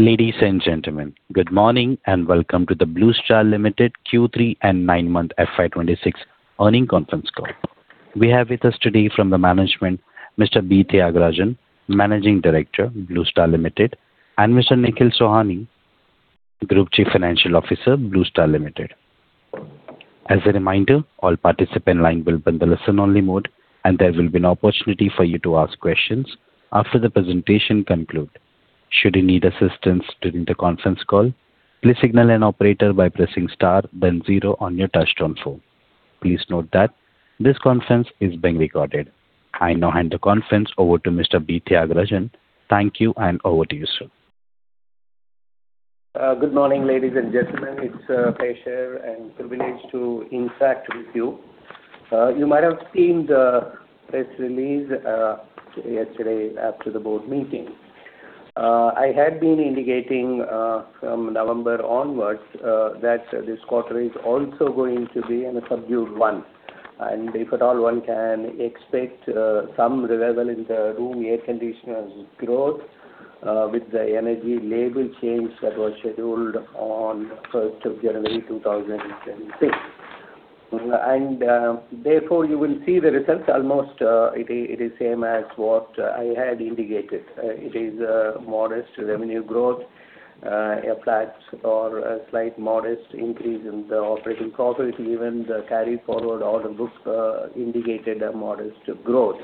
Ladies and gentlemen, good morning, and welcome to the Blue Star Limited Q3 and nine-month FY 2026 earnings conference call. We have with us today from the management, Mr. B. Thiagarajan, Managing Director, Blue Star Limited, and Mr. Nikhil Sohoni, Group Chief Financial Officer, Blue Star Limited. As a reminder, all participant lines will be put in the listen-only mode, and there will be an opportunity for you to ask questions after the presentation concludes. Should you need assistance during the conference call, please signal an operator by pressing star then zero on your touchtone phone. Please note that this conference is being recorded. I now hand the conference over to Mr. B. Thiagarajan. Thank you, and over to you, sir. Good morning, ladies and gentlemen. It's a pleasure and privilege to interact with you. You might have seen the press release, yesterday after the board meeting. I had been indicating, from November onwards, that this quarter is also going to be a subdued one, and if at all, one can expect, some revival in the room air conditioners growth, with the energy label change that was scheduled on first of January 2026. Therefore, you will see the results. Almost, it is same as what I had indicated. It is a modest revenue growth, a flat or a slight modest increase in the operating profit. Even the carry forward order books, indicated a modest growth.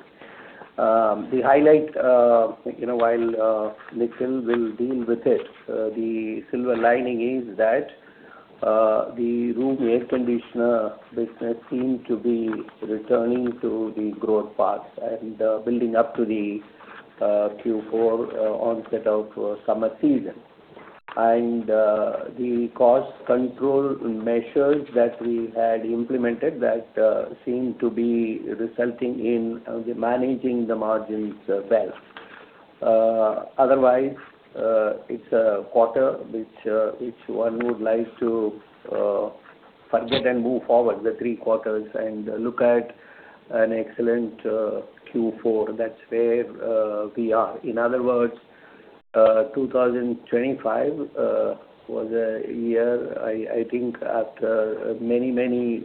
The highlight, you know, while Nikhil will deal with it, the silver lining is that the room air conditioner business seem to be returning to the growth path and building up to the Q4 onset of summer season. And the cost control measures that we had implemented that seem to be resulting in the managing the margins best. Otherwise, it's a quarter which which one would like to forget and move forward the three quarters and look at an excellent Q4. That's where we are. In other words, 2025 was a year, I think after many, many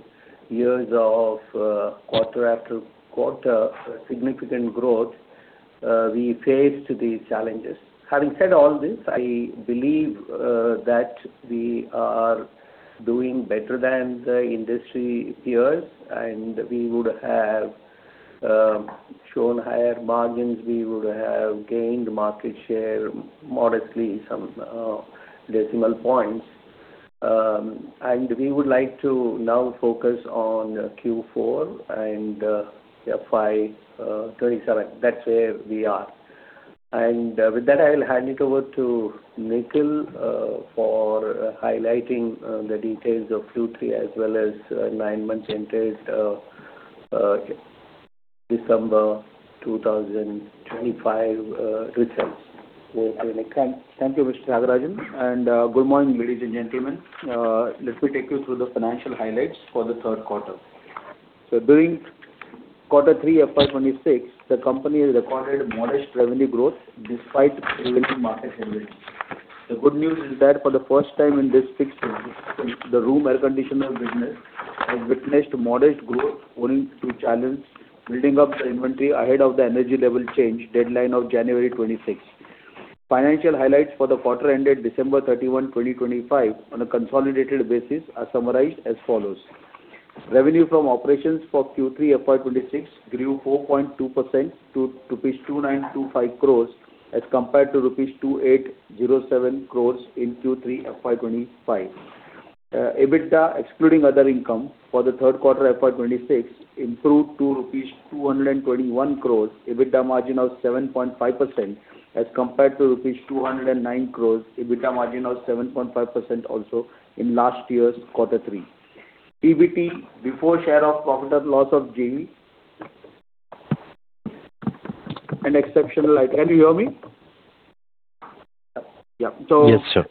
years of quarter after quarter significant growth, we faced the challenges. Having said all this, I believe that we are doing better than the industry peers, and we would have shown higher margins, we would have gained market share modestly some decimal points. And we would like to now focus on Q4 and FY 2027. That's where we are. And with that, I'll hand it over to Nikhil for highlighting the details of Q3 as well as nine months ended December 2025 results. Over to Nikhil. Thank you, Mr. Thiagarajan, and good morning, ladies and gentlemen. Let me take you through the financial highlights for the third quarter. During quarter 3 of FY 2026, the company has recorded a modest revenue growth despite challenging market conditions. The good news is that for the first time in this fiscal system, the room air conditioner business has witnessed modest growth owing to channels building up the inventory ahead of the energy label change deadline of January 2026. Financial highlights for the quarter ended December 31, 2025, on a consolidated basis, are summarized as follows: Revenue from operations for Q3 FY 2026 grew 4.2% to rupees 2,925 crores, as compared to rupees 2,807 crores in Q3 FY 2025. EBITDA, excluding other income for Q3 FY 2026, improved to rupees 221 crores, EBITDA margin of 7.5%, as compared to rupees 209 crores, EBITDA margin of 7.5% also in last year's Q3. PBT, before share of profit or loss of JV and exceptional item... Can you hear me? Yeah. So- Yes, sir.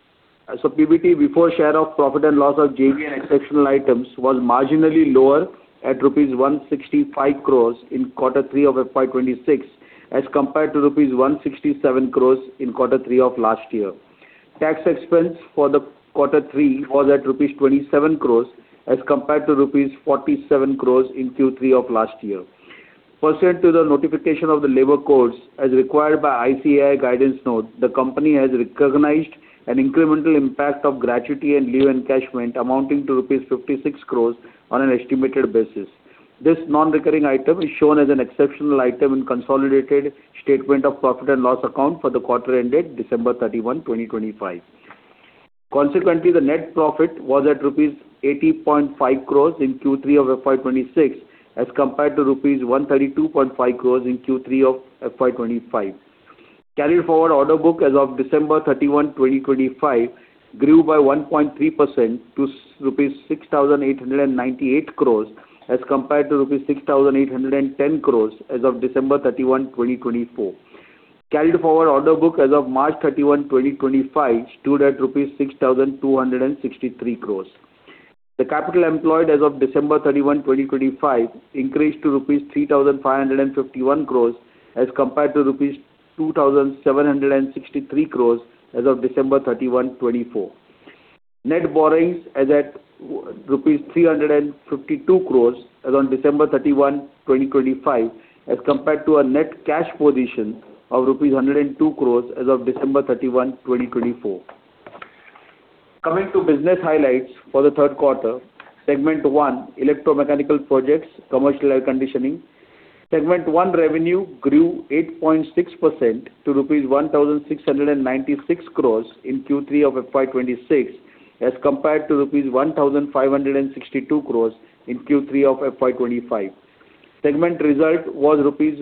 So PBT, before share of profit and loss of JV and exceptional items, was marginally lower at INR 165 crores in quarter three of FY 2026, as compared to INR 167 crores in quarter three of last year. Tax expense for the quarter three was at INR 27 crores, as compared to INR 47 crores in Q3 of last year. Pursuant to the notification of the labor codes as required by ICAI guidance notes, the company has recognized an incremental impact of gratuity and leave encashment amounting to rupees 56 crores on an estimated basis. This non-recurring item is shown as an exceptional item in consolidated statement of profit and loss account for the quarter ended December 31, 2025. Consequently, the net profit was at rupees 80.5 crore in Q3 of FY 2026, as compared to rupees 132.5 crore in Q3 of FY 2025. Carried forward order book as of December 31, 2025, grew by 1.3% to rupees 6,898 crore, as compared to 6,810 crore as of December 31, 2024. Carried forward order book as of March 31, 2025, stood at rupees 6,263 crore.... The capital employed as of December 31, 2025, increased to rupees 3,551 crore, as compared to rupees 2,763 crore as of December 31, 2024. Net borrowings as at rupees 352 crore as on December 31, 2025, as compared to a net cash position of rupees 102 crore as of December 31, 2024. Coming to business highlights for the third quarter, Segment 1: Electromechanical Projects, Commercial Air Conditioning. Segment 1 revenue grew 8.6% to rupees 1,696 crore in Q3 of FY 2026, as compared to rupees 1,562 crore in Q3 of FY 2025. Segment result was rupees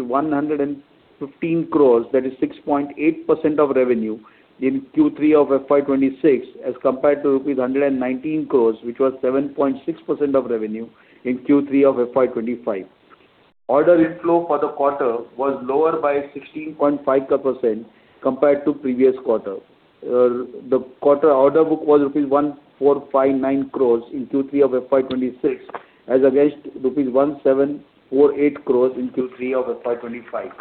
115 crore, that is 6.8% of revenue, in Q3 of FY 2026, as compared to INR 119 crore, which was 7.6% of revenue in Q3 of FY 2025. Order inflow for the quarter was lower by 16.5% compared to previous quarter. The quarter order book was rupees 1,459 crores in Q3 of FY 2026, as against rupees 1,748 crores in Q3 of FY 2025.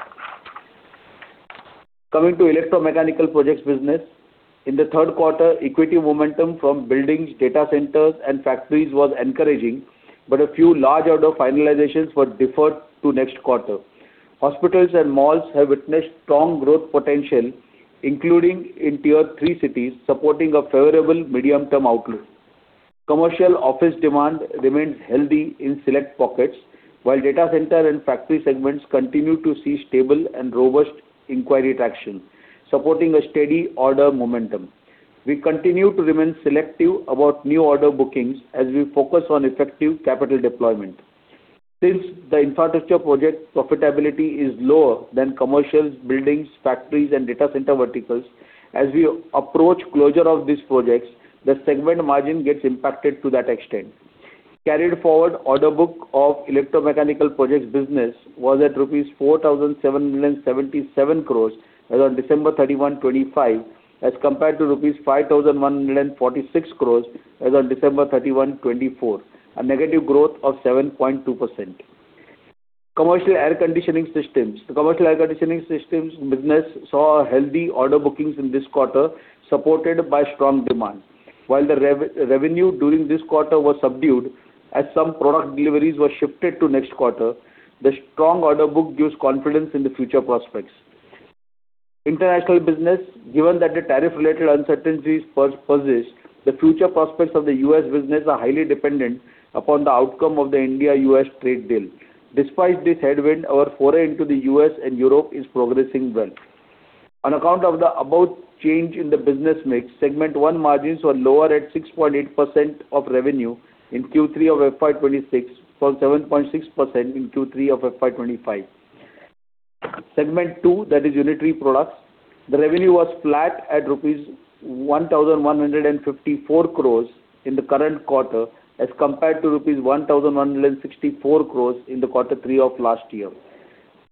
Coming to Electro-Mechanical Projects business, in the third quarter, inquiry momentum from buildings, data centers, and factories was encouraging, but a few large order finalizations were deferred to next quarter. Hospitals and malls have witnessed strong growth potential, including in tier three cities, supporting a favorable medium-term outlook. Commercial office demand remains healthy in select pockets, while data center and factory segments continue to see stable and robust inquiry traction, supporting a steady order momentum. We continue to remain selective about new order bookings as we focus on effective capital deployment. Since the infrastructure project profitability is lower than commercials, buildings, factories, and data center verticals, as we approach closure of these projects, the segment margin gets impacted to that extent. Carried forward order book of Electro-Mechanical Projects business was at rupees 4,777 crore as on December 31, 2025, as compared to rupees 5,146 crore as on December 31, 2024, a negative growth of 7.2%. Commercial air conditioning systems. The Commercial Air Conditioning systems business saw healthy order bookings in this quarter, supported by strong demand. While the revenue during this quarter was subdued, as some product deliveries were shifted to next quarter, the strong order book gives confidence in the future prospects. International business, given that the tariff-related uncertainties persist, the future prospects of the U.S. business are highly dependent upon the outcome of the India-U.S. trade deal. Despite this headwind, our foray into the U.S. and Europe is progressing well. On account of the above change in the business mix, segment one margins were lower at 6.8% of revenue in Q3 of FY 2026, from 7.6% in Q3 of FY 2025. Segment two, that is unitary products, the revenue was flat at rupees 1,154 crore in the current quarter, as compared to rupees 1,164 crore in quarter three of last year.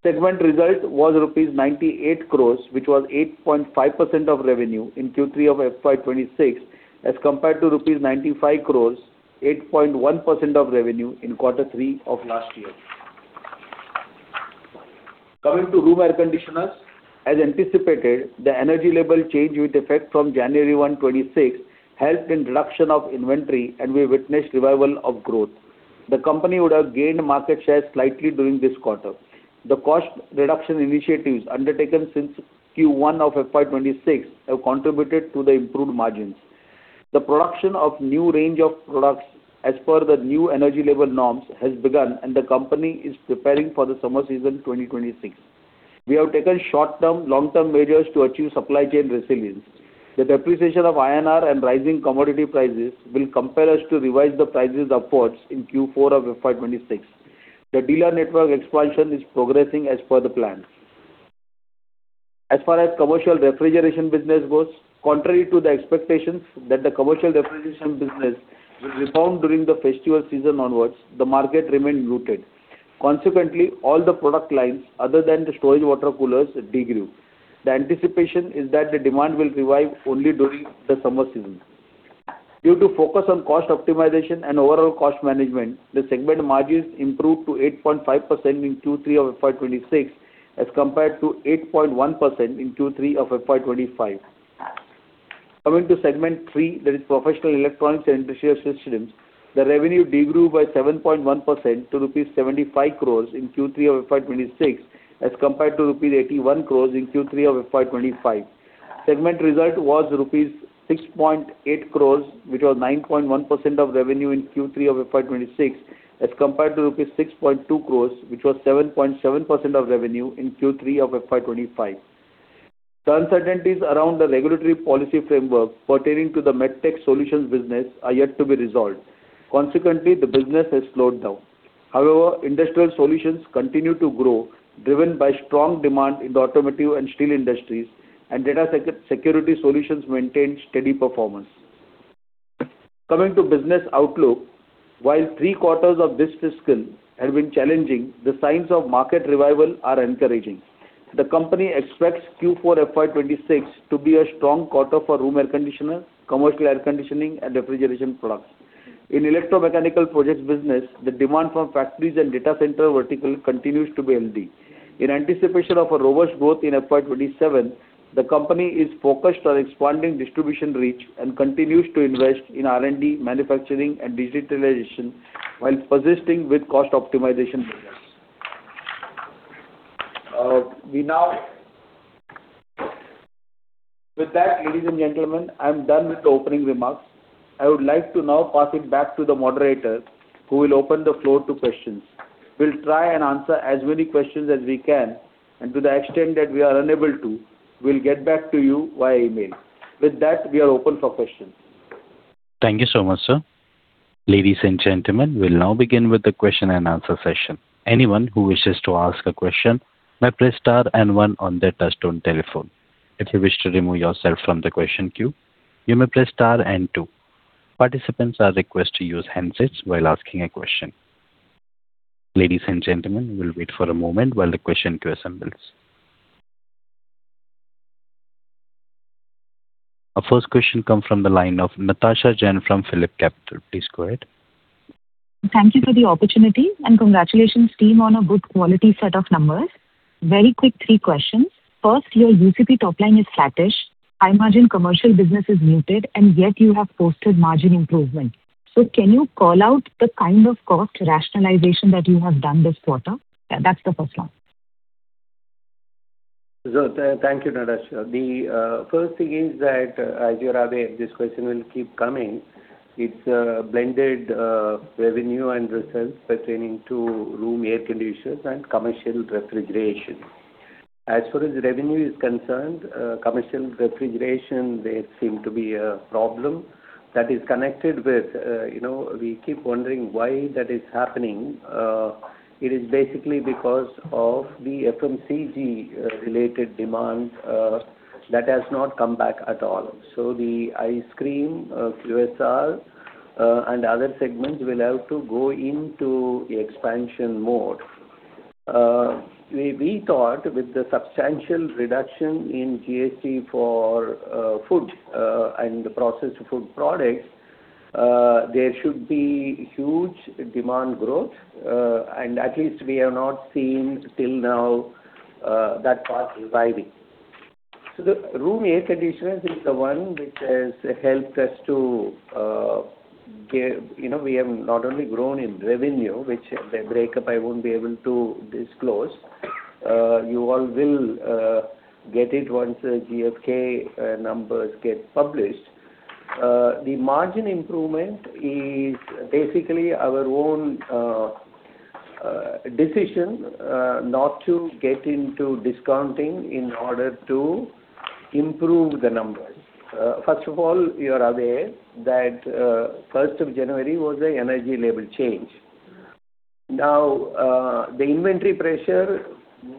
Segment result was rupees 98 crore, which was 8.5% of revenue in Q3 of FY 2026, as compared to INR 95 crore, 8.1% of revenue in quarter three of last year. Coming to room air conditioners, as anticipated, the energy label change with effect from January 1, 2026, helped in reduction of inventory, and we witnessed revival of growth. The company would have gained market share slightly during this quarter. The cost reduction initiatives undertaken since Q1 of FY 2026 have contributed to the improved margins. The production of new range of products as per the new energy label norms has begun, and the company is preparing for the summer season 2026. We have taken short-term, long-term measures to achieve supply chain resilience. The depreciation of INR and rising commodity prices will compel us to revise the prices upwards in Q4 of FY 2026. The dealer network expansion is progressing as per the plan. As far as commercial refrigeration business goes, contrary to the expectations that the commercial refrigeration business will rebound during the festival season onwards, the market remained muted. Consequently, all the product lines, other than the storage water coolers, degrew. The anticipation is that the demand will revive only during the summer season. Due to focus on cost optimization and overall cost management, the segment margins improved to 8.5% in Q3 of FY 2026, as compared to 8.1% in Q3 of FY 2025. Coming to segment three, that is professional electronics and industrial systems, the revenue degrew by 7.1% to rupees 75 crore in Q3 of FY 2026, as compared to rupees 81 crore in Q3 of FY 2025. Segment result was rupees 6.8 crore, which was 9.1% of revenue in Q3 of FY 2026, as compared to rupees 6.2 crore, which was 7.7% of revenue in Q3 of FY 2025. The uncertainties around the regulatory policy framework pertaining to the MedTech solutions business are yet to be resolved. Consequently, the business has slowed down. However, industrial solutions continue to grow, driven by strong demand in the automotive and steel industries, and data security solutions maintain steady performance. Coming to business outlook, while three quarters of this fiscal have been challenging, the signs of market revival are encouraging. ...The company expects Q4 FY 2026 to be a strong quarter for room air conditioner, Commercial Air Conditioning, and refrigeration products. In Electro-Mechanical Projects business, the demand for factories and data center vertical continues to be healthy. In anticipation of a robust growth in FY 2027, the company is focused on expanding distribution reach and continues to invest in R&D, manufacturing, and digitalization, while persisting with cost optimization measures. With that, ladies and gentlemen, I'm done with the opening remarks. I would like to now pass it back to the moderator, who will open the floor to questions. We'll try and answer as many questions as we can, and to the extent that we are unable to, we'll get back to you via email. With that, we are open for questions. Thank you so much, sir. Ladies and gentlemen, we'll now begin with the question and answer session. Anyone who wishes to ask a question may press star and one on their touchtone telephone. If you wish to remove yourself from the question queue, you may press star and two. Participants are requested to use handsets while asking a question. Ladies and gentlemen, we'll wait for a moment while the question queue assembles. Our first question come from the line of Natasha Jain from PhillipCapital. Please go ahead. Thank you for the opportunity, and congratulations, team, on a good quality set of numbers. Very quick three questions. First, your UCP top line is flattish. I imagine commercial business is muted, and yet you have posted margin improvement. So can you call out the kind of cost rationalization that you have done this quarter? That's the first one. So, thank you, Natasha. The first thing is that, as you're aware, this question will keep coming. It's a blended revenue and results pertaining to room air conditioners and commercial refrigeration. As far as revenue is concerned, commercial refrigeration, there seem to be a problem that is connected with, you know, we keep wondering why that is happening. It is basically because of the FMCG related demand that has not come back at all. So the ice cream, QSR, and other segments will have to go into expansion mode. We thought with the substantial reduction in GST for food and processed food products, there should be huge demand growth, and at least we have not seen till now that part reviving. So the room air conditioners is the one which has helped us to get. You know, we have not only grown in revenue, which the breakup I won't be able to disclose. You all will get it once the GfK numbers get published. The margin improvement is basically our own decision not to get into discounting in order to improve the numbers. First of all, you are aware that first of January was a energy label change. Now, the inventory pressure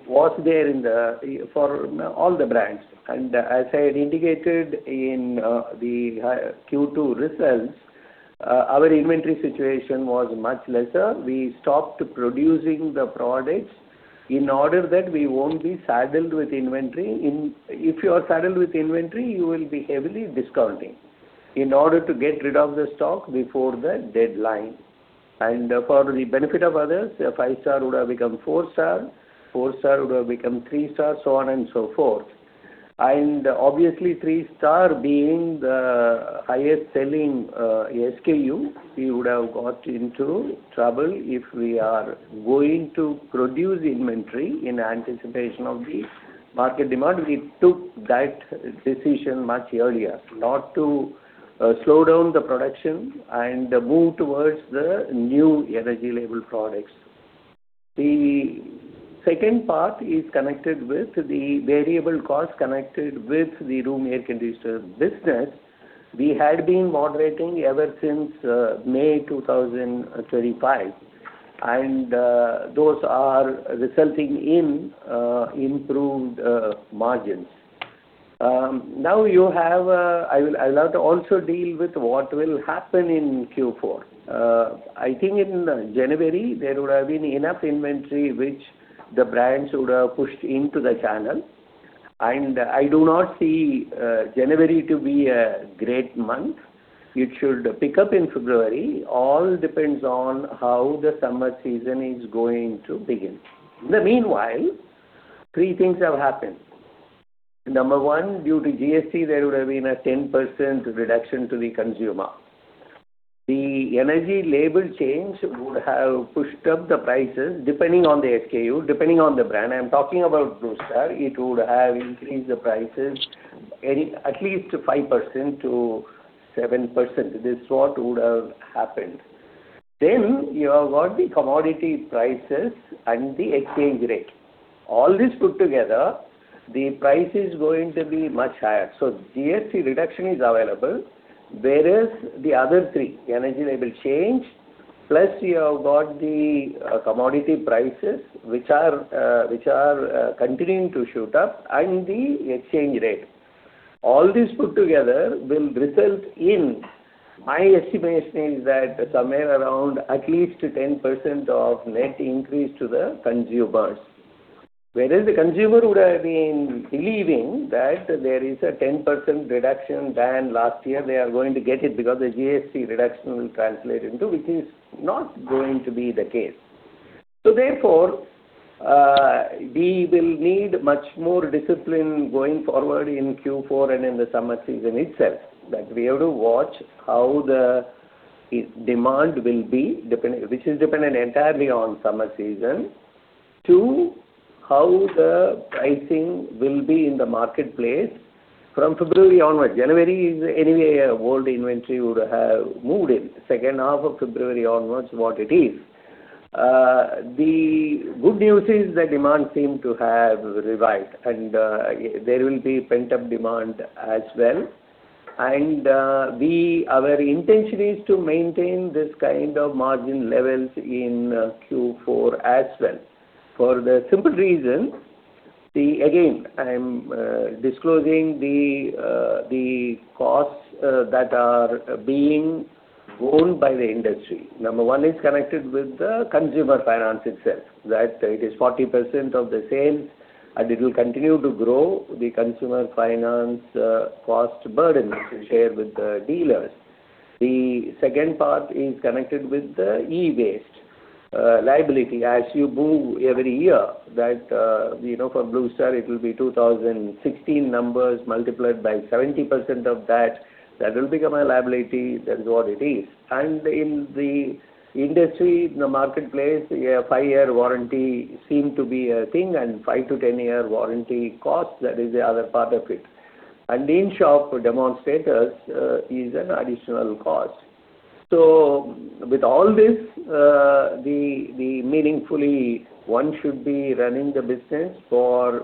was there in the for all the brands, and as I had indicated in the Q2 results, our inventory situation was much lesser. We stopped producing the products in order that we won't be saddled with inventory. If you are saddled with inventory, you will be heavily discounting in order to get rid of the stock before the deadline. And for the benefit of others, a five-star would have become four-star, four-star would have become three-star, so on and so forth. And obviously, three-star being the highest selling, SKU, we would have got into trouble if we are going to produce inventory in anticipation of the market demand. We took that decision much earlier, not to, slow down the production and move towards the new energy label products. The second part is connected with the variable cost connected with the room air conditioner business. We had been moderating ever since, May 2025, and, those are resulting in, improved, margins. Now you have, I'll have to also deal with what will happen in Q4. I think in January, there would have been enough inventory which the brands would have pushed into the channel, and I do not see January to be a great month. It should pick up in February. All depends on how the summer season is going to begin. In the meanwhile, three things have happened. Number one, due to GST, there would have been a 10% reduction to the consumer. The energy label change would have pushed up the prices, depending on the SKU, depending on the brand. I'm talking about Blue Star. It would have increased the prices any, at least 5%-7%. This is what would have happened. Then you have got the commodity prices and the exchange rate. All this put together, the price is going to be much higher. So GST reduction is available, whereas the other three, energy label change, plus you have got the, commodity prices, which are continuing to shoot up and the exchange rate. All this put together will result in, my estimation is that somewhere around at least 10% net increase to the consumers. Whereas the consumer would have been believing that there is a 10% reduction than last year, they are going to get it because the GST reduction will translate into, which is not going to be the case. Therefore, we will need much more discipline going forward in Q4 and in the summer season itself, that we have to watch how the, its demand will be dependent, which is dependent entirely on summer season, too, how the pricing will be in the marketplace from February onwards. January is anyway, an old inventory would have moved in. Second half of February onwards, what it is. The good news is the demand seem to have revived, and, we, our intention is to maintain this kind of margin levels in Q4 as well, for the simple reason, the.... Again, I'm disclosing the costs that are being borne by the industry. Number 1 is connected with the consumer finance itself, that it is 40% of the sales, and it will continue to grow the consumer finance, cost burden we share with the dealers. The second part is connected with the e-waste, liability. As you move every year, that, you know, for Blue Star, it will be 2016 numbers multiplied by 70% of that. That will become a liability. That is what it is. And in the industry, in the marketplace, a five-year warranty seem to be a thing, and 5-10-year warranty cost, that is the other part of it. And in-shop demonstrators, is an additional cost. So with all this, the meaningfully, one should be running the business for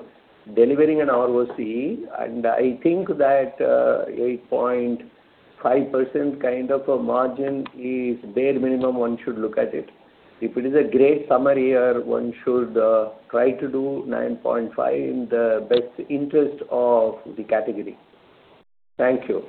delivering an ROCE, and I think that, 8.5% kind of a margin is bare minimum, one should look at it. If it is a great summer year, one should, try to do 9.5 in the best interest of the category. Thank you.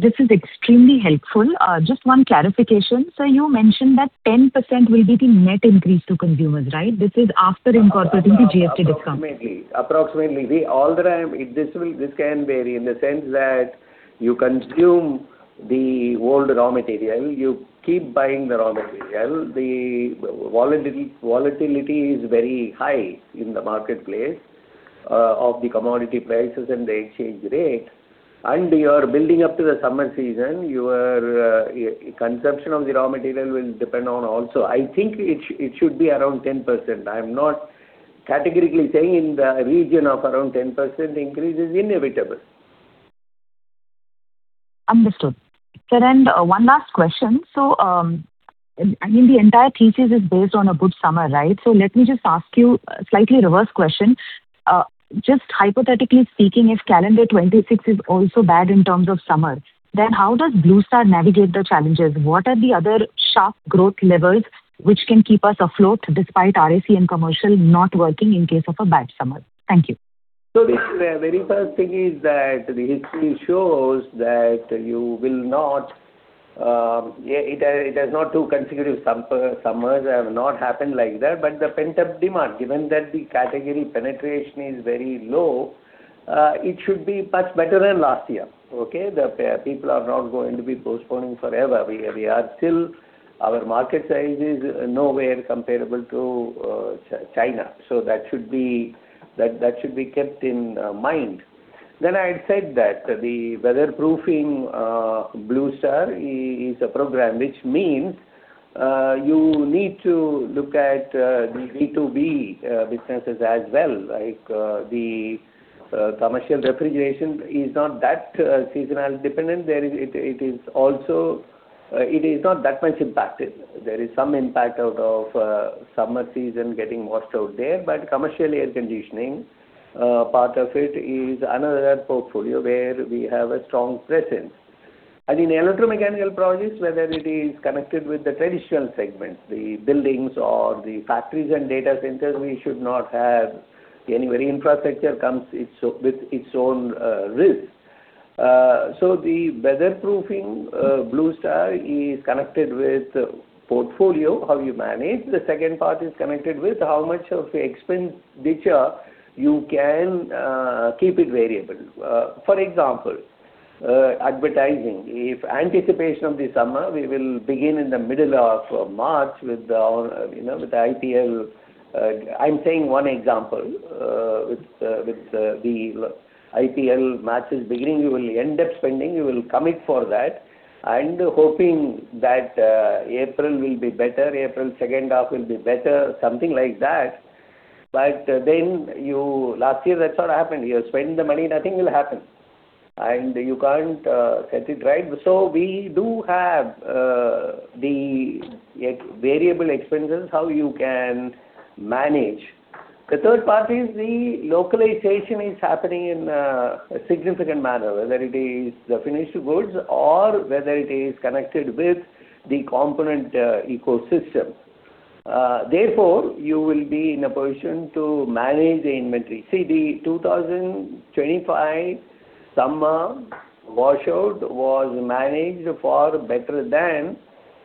This is extremely helpful. Just one clarification. Sir, you mentioned that 10% will be the net increase to consumers, right? This is after incorporating the GST discount. Approximately. Approximately, all that I am... This will, this can vary in the sense that you consume the old raw material, you keep buying the raw material. The volatility, volatility is very high in the marketplace of the commodity prices and the exchange rate, and you are building up to the summer season, your consumption of the raw material will depend on also. I think it, it should be around 10%. I'm not categorically saying in the region of around 10% increase is inevitable. Understood. Sir, and one last question: so, I mean, the entire thesis is based on a good summer, right? So let me just ask you a slightly reverse question. Just hypothetically speaking, if calendar 2026 is also bad in terms of summer, then how does Blue Star navigate the challenges? What are the other sharp growth levels which can keep us afloat despite RAC and commercial not working in case of a bad summer? Thank you. So the very first thing is that the history shows that you will not, yeah, it has, it has not two consecutive summers have not happened like that, but the pent-up demand, given that the category penetration is very low, it should be much better than last year. Okay? The people are not going to be postponing forever. We, we are still, our market size is nowhere comparable to China, so that should be, that, that should be kept in mind. Then I said that the weatherproofing, Blue Star is a program, which means you need to look at the B2B businesses as well, like the commercial refrigeration is not that seasonal dependent. It is also, it is not that much impacted. There is some impact out of summer season getting washed out there, but Commercial Air Conditioning, part of it is another portfolio where we have a strong presence. And in Electro-Mechanical Projects, whether it is connected with the traditional segments, the buildings or the factories and data centers, we should not have any... Infrastructure comes its own, with its own, risks. So the weatherproofing, Blue Star is connected with portfolio, how you manage. The second part is connected with how much of expenditure you can keep it variable. For example, advertising. If anticipation of the summer, we will begin in the middle of March with, you know, with the IPL. I'm saying one example, with the IPL matches beginning, you will end up spending, you will commit for that, and hoping that April will be better, April second half will be better, something like that. But then last year, that's what happened. You spend the money, nothing will happen, and you can't get it right. So we do have the variable expenses, how you can manage. The third part is the localization is happening in a significant manner, whether it is the finished goods or whether it is connected with the component ecosystem. Therefore, you will be in a position to manage the inventory. See, the 2025 summer washout was managed far better than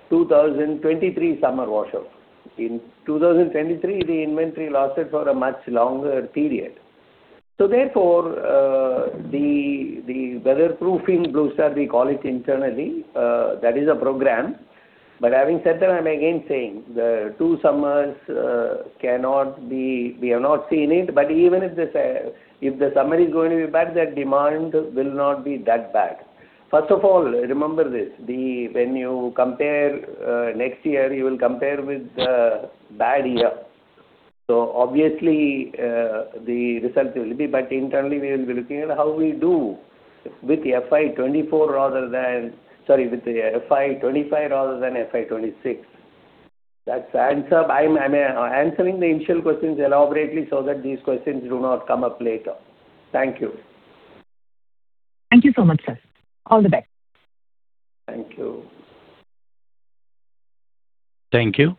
the 2023 summer washout. In 2023, the inventory lasted for a much longer period. So therefore, the weatherproofing booster, we call it internally, that is a program. But having said that, I'm again saying, the two summers cannot be. We have not seen it, but even if the summer is going to be bad, the demand will not be that bad. First of all, remember this, when you compare next year, you will compare with the bad year. So obviously, the result will be, but internally, we will be looking at how we do with FY 2024 rather than, sorry, with the FY 2025 rather than FY 2026. That's the answer. I'm answering the initial questions elaborately so that these questions do not come up later. Thank you. Thank you so much, sir. All the best. Thank you. Thank you.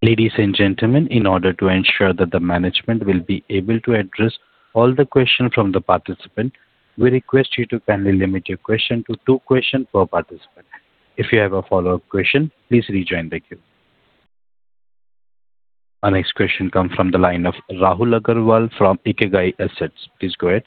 Ladies and gentlemen, in order to ensure that the management will be able to address all the questions from the participant, we request you to kindly limit your question to two questions per participant. If you have a follow-up question, please rejoin the queue. Our next question comes from the line of Rahul Agarwal from Ikigai Assets. Please go ahead.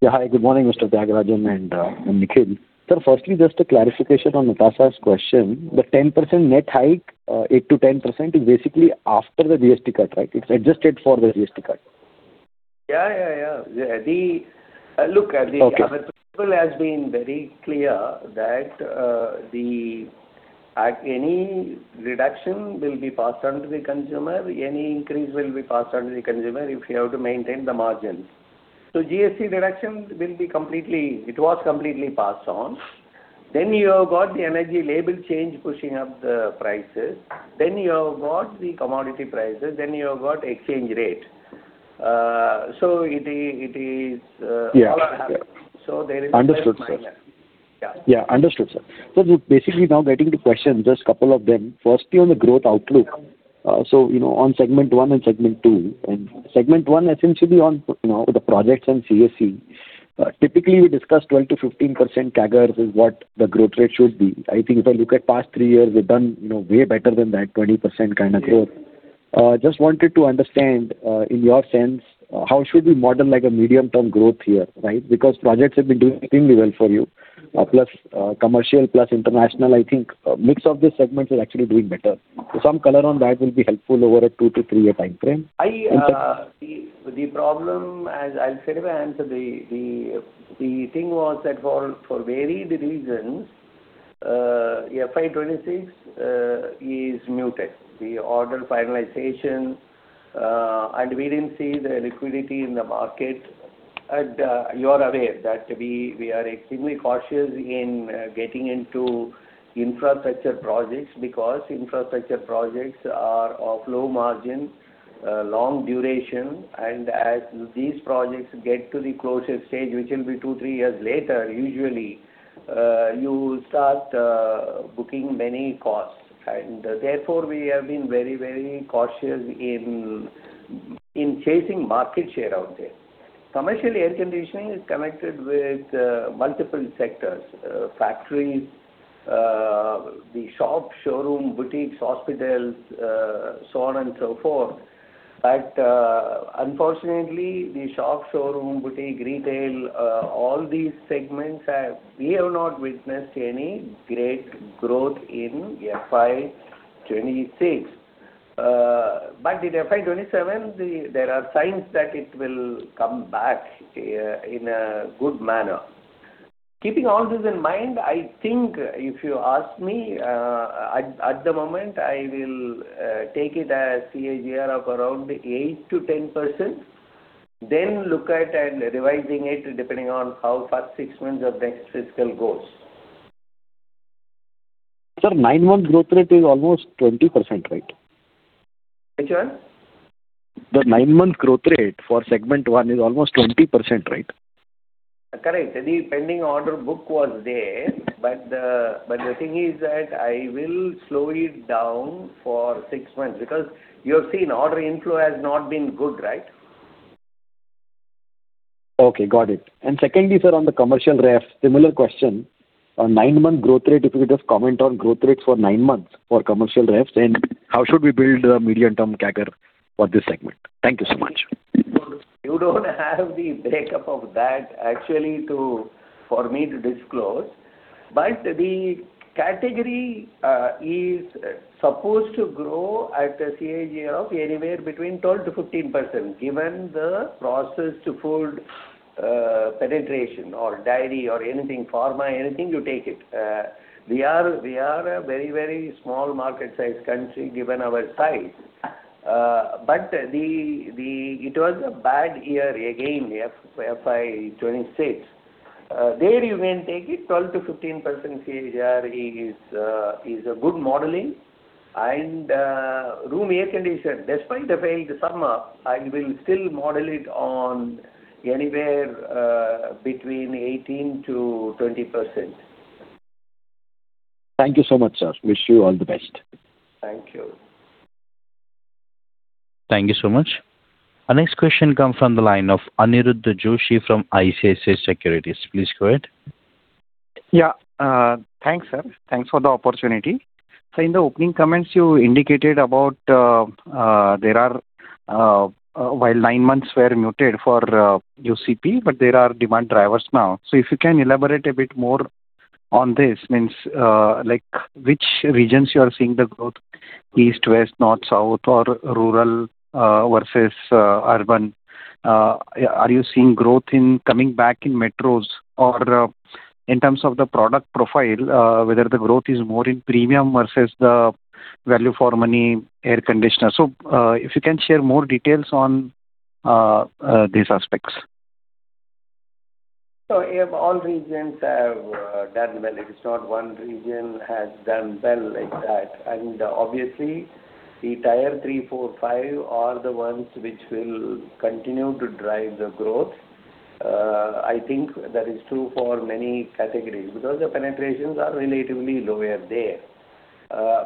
Yeah, hi, good morning, Mr. Thiagarajan and, Nikhil. Sir, firstly, just a clarification on Natasha's question. The 10% net hike, 8%-10%, is basically after the GST cut, right? It's adjusted for the GST cut. Yeah, yeah, yeah. Look, the- Okay. Management has been very clear that any reduction will be passed on to the consumer, any increase will be passed on to the consumer if you have to maintain the margins. So GST reduction will be completely passed on. It was completely passed on. Then you have got the energy label change, pushing up the prices, then you have got the commodity prices, then you have got exchange rate. So it is, it is. Yeah. So there is- Understood, sir. Yeah. Yeah, understood, sir. So basically, now getting to questions, just a couple of them. Firstly, on the growth outlook, so, you know, on segment one and segment two, and segment one, essentially on, you know, the projects and CSE. Typically, we discuss 12%-15% CAGRs is what the growth rate should be. I think if I look at past three years, we've done, you know, way better than that, 20% kind of growth. Yeah. Just wanted to understand, in your sense, how should we model, like, a medium-term growth here, right? Because projects have been doing extremely well for you. Plus, commercial, plus international, I think a mix of these segments is actually doing better. Some color on that will be helpful over a two to three-year time frame. The problem, as I'll straightaway answer, the thing was that for varied reasons, FY 2026 is muted. The order finalization and we didn't see the liquidity in the market. You are aware that we are extremely cautious in getting into infrastructure projects because infrastructure projects are of low margin, long duration, and as these projects get to the closure stage, which will be two, three years later, usually, you start booking many costs. Therefore, we have been very, very cautious in chasing market share out there. Commercial air conditioning is connected with multiple sectors, factories, the shops, showroom, boutiques, hospitals, so on and so forth. But unfortunately, the shop, showroom, boutique, retail, all these segments have, we have not witnessed any great growth in FY 2026. But in FY 2027, there are signs that it will come back in a good manner. Keeping all this in mind, I think if you ask me, at the moment, I will take it as CAGR of around 8%-10%, then look at and revising it depending on how first six months of next fiscal goes. Sir, nine-month growth rate is almost 20%, right? Which one? The nine-month growth rate for segment one is almost 20%, right? Correct. The pending order book was there, but, but the thing is that I will slow it down for six months, because you have seen order inflow has not been good, right? Okay, got it. And secondly, sir, on the commercial ref, similar question, on 9-month growth rate, if you could just comment on growth rates for nine months for commercial refs, and how should we build the medium-term CAGR for this segment? Thank you so much. You don't have the breakup of that actually to, for me to disclose, but the category is supposed to grow at a CAGR of anywhere between 12%-15%, given the processed food penetration or dairy or anything, pharma, anything you take it. We are a very, very small market size country, given our size. But it was a bad year again, FY 2026. There you can take it 12%-15% CAGR is a good modeling. And room air conditioner, despite the failed summer, I will still model it on anywhere between 18%-20%. Thank you so much, sir. Wish you all the best. Thank you. ...Thank you so much. Our next question comes from the line of Aniruddha Joshi from ICICI Securities. Please go ahead. Yeah, thanks, sir. Thanks for the opportunity. So in the opening comments you indicated about while nine months were muted for UCP, but there are demand drivers now. So if you can elaborate a bit more on this, like, which regions you are seeing the growth, east, west, north, south, or rural versus urban? Are you seeing growth coming back in metros or in terms of the product profile, whether the growth is more in premium versus the value for money air conditioner? So if you can share more details on these aspects. So if all regions have done well, it is not one region has done well like that. And obviously, the tier three, four, five are the ones which will continue to drive the growth. I think that is true for many categories, because the penetrations are relatively lower there.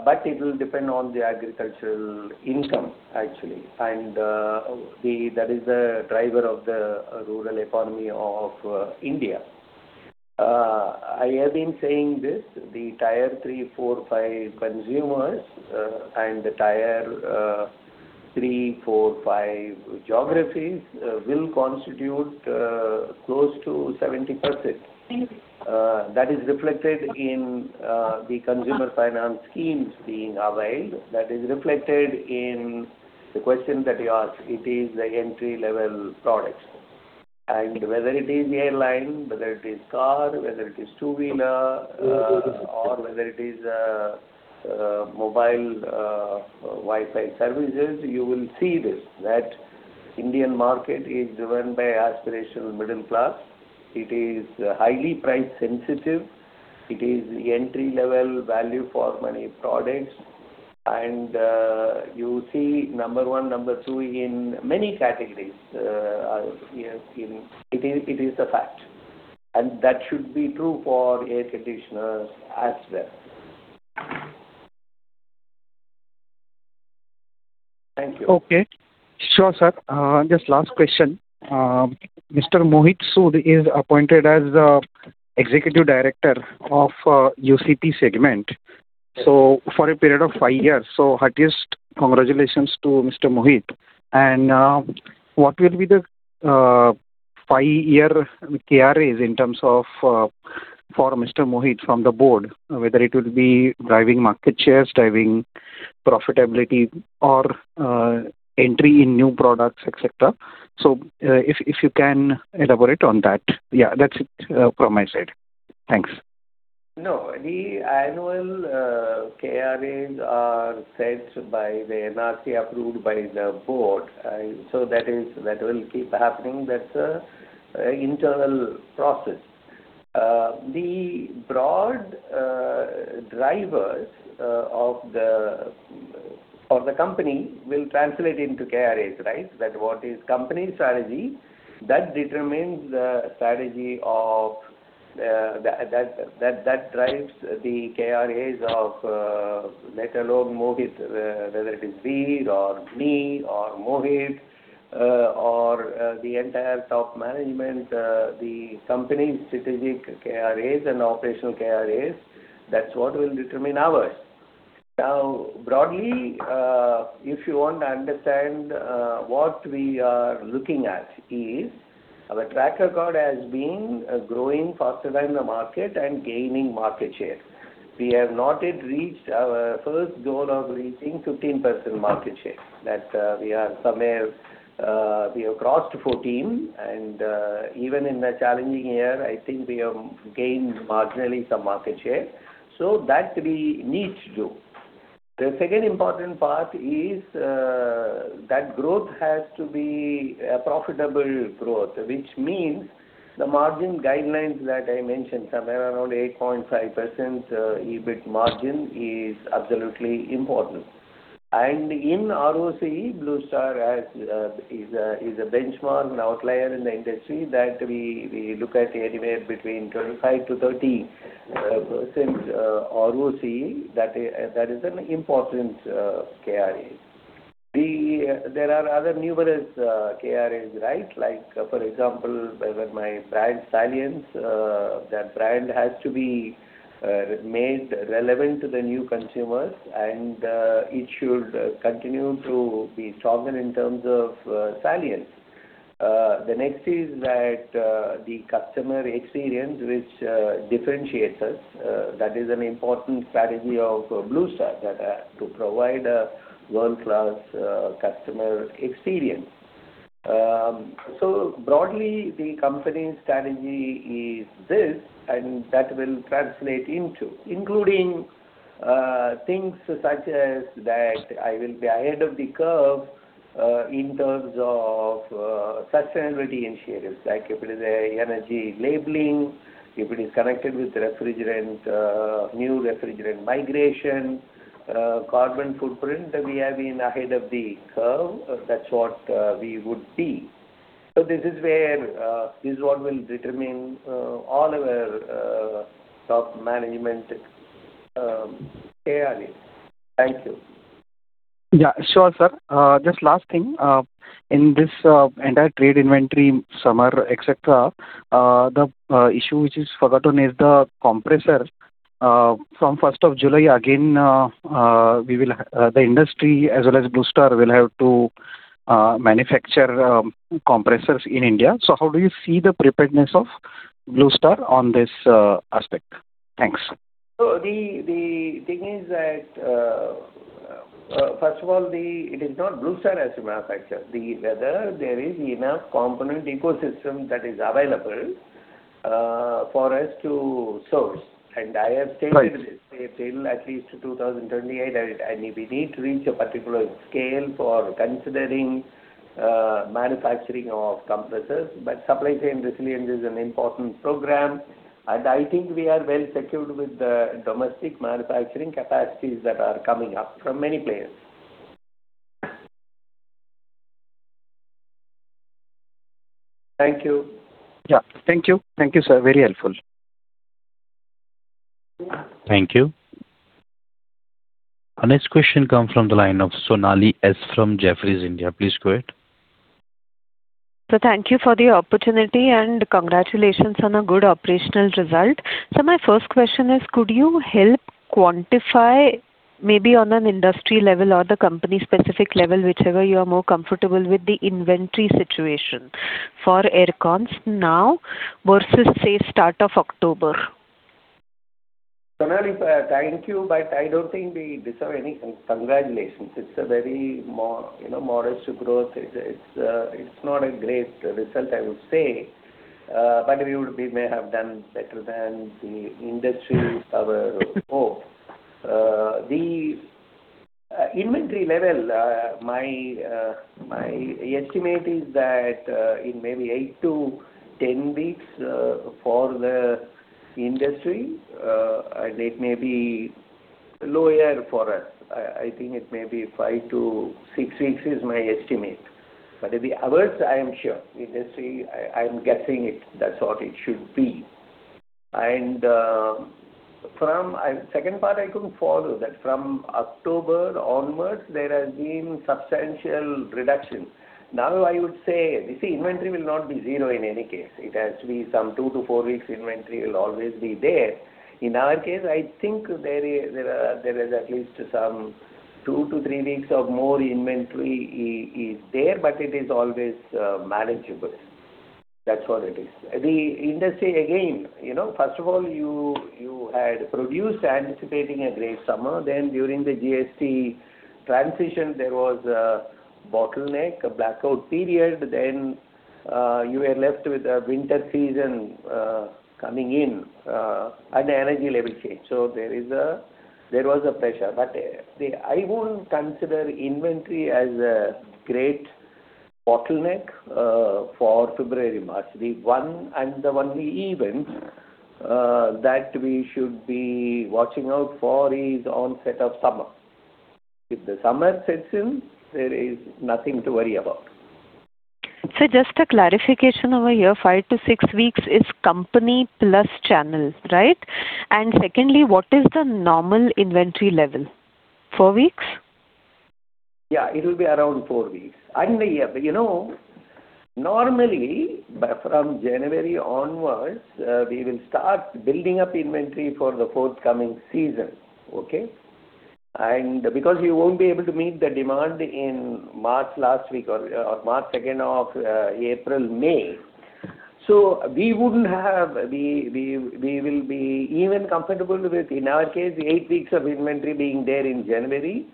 But it will depend on the agricultural income, actually, and that is the driver of the rural economy of India. I have been saying this, the tier three, four, five consumers, and the tier three, four, five geographies, will constitute close to 70%. That is reflected in the consumer finance schemes being availed. That is reflected in the question that you asked. It is the entry-level products. Whether it is airline, whether it is car, whether it is two-wheeler, or whether it is mobile, Wi-Fi services, you will see this, that Indian market is driven by aspirational middle class. It is highly price sensitive, it is entry-level value for money products, and you see number one, number two in many categories, we have seen. It is a fact, and that should be true for air conditioners as well. Thank you. Okay. Sure, sir. Just last question. Mr. Mohit Sud is appointed as the Executive Director of UCP segment, so for a period of five years. So heartiest congratulations to Mr. Mohit. And what will be the five-year KRAs in terms of for Mr. Mohit from the board, whether it will be driving market shares, driving profitability or entry in new products, et cetera. So if, if you can elaborate on that. Yeah, that's it from my side. Thanks. No, the annual KRAs are set by the NRC, approved by the board. So that is-- that will keep happening. That's a internal process. The broad drivers of the company will translate into KRAs, right? That what is company strategy, that determines the strategy of, that drives the KRAs of, let alone Mohit, whether it is me or me, or Mohit, or the entire top management, the company's strategic KRAs and operational KRAs, that's what will determine ours. Now, broadly, if you want to understand, what we are looking at is, our track record has been growing faster than the market and gaining market share. We have not yet reached our first goal of reaching 15% market share, that, we are somewhere, we have crossed 14, and, even in a challenging year, I think we have gained marginally some market share. So that we need to do. The second important part is, that growth has to be a profitable growth, which means the margin guidelines that I mentioned, somewhere around 8.5%, EBIT margin is absolutely important. And in ROCE, Blue Star has, is a, is a benchmark, an outlier in the industry that we, we look at anywhere between 25%-30%, ROCE. That is, that is an important, KRA. There are other numerous, KRAs, right? Like, for example, whether my brand salience, that brand has to be made relevant to the new consumers, and it should continue to be stronger in terms of salience. The next is that the customer experience, which differentiates us, that is an important strategy of Blue Star, that to provide a world-class customer experience. So broadly, the company's strategy is this, and that will translate into, including things such as that I will be ahead of the curve in terms of sustainability initiatives, like if it is an energy labeling, if it is connected with refrigerant, new refrigerant migration, carbon footprint, we have been ahead of the curve. That's what we would see. So this is where, this is what will determine all our top management. Thank you. Yeah, sure, sir. Just last thing, in this entire trade inventory, summer, et cetera, the issue which is forgotten is the compressor. From first of July, again, we will have the industry as well as Blue Star will have to manufacture compressors in India. So how do you see the preparedness of Blue Star on this aspect? Thanks. So the thing is that, first of all, it is not Blue Star as a manufacturer, the whether there is enough component ecosystem that is available for us to source. And I have stated this- Right. Till at least 2028, and we need to reach a particular scale for considering manufacturing of compressors. But supply chain resilience is an important program, and I think we are well secured with the domestic manufacturing capacities that are coming up from many players. Thank you. Yeah. Thank you. Thank you, sir. Very helpful. Thank you. Our next question come from the line of Sonali Salgaonkar from Jefferies, India. Please go ahead. So thank you for the opportunity, and congratulations on a good operational result. So my first question is, could you help quantify, maybe on an industry level or the company-specific level, whichever you are more comfortable with, the inventory situation for air cons now versus, say, start of October? Sonali, thank you, but I don't think we deserve any congratulations. It's a very, you know, modest growth. It's, it's not a great result, I would say. But we may have done better than the industry, our hope. The inventory level, my estimate is that, in maybe 8-10 weeks, for the industry, and it may be lower for us. I think it may be five to six weeks, is my estimate. But the others, I am sure. The industry, I'm guessing it, that's what it should be. And second part, I couldn't follow that. From October onwards, there has been substantial reduction. Now, I would say, you see, inventory will not be zero in any case. It has to be some 2-4 weeks inventory will always be there. In our case, I think there is at least some two to three weeks of more inventory there, but it is always manageable. That's what it is. The industry, again, you know, first of all, you had produced anticipating a great summer. Then during the GST transition, there was a bottleneck, a blackout period. Then you were left with a winter season coming in, and the energy label change. So there was a pressure. But I wouldn't consider inventory as a great bottleneck for February, March. The one, and the only event that we should be watching out for is onset of summer. If the summer sets in, there is nothing to worry about. So just a clarification over here, 5-6 weeks is company plus channel, right? And secondly, what is the normal inventory level? 4 weeks? Yeah, it will be around four weeks. Yeah, but, you know, normally, from January onwards, we will start building up inventory for the forthcoming season, okay? And because you won't be able to meet the demand in March last week or March second of April, May. So we will be even comfortable with, in our case, 8 weeks of inventory being there in January,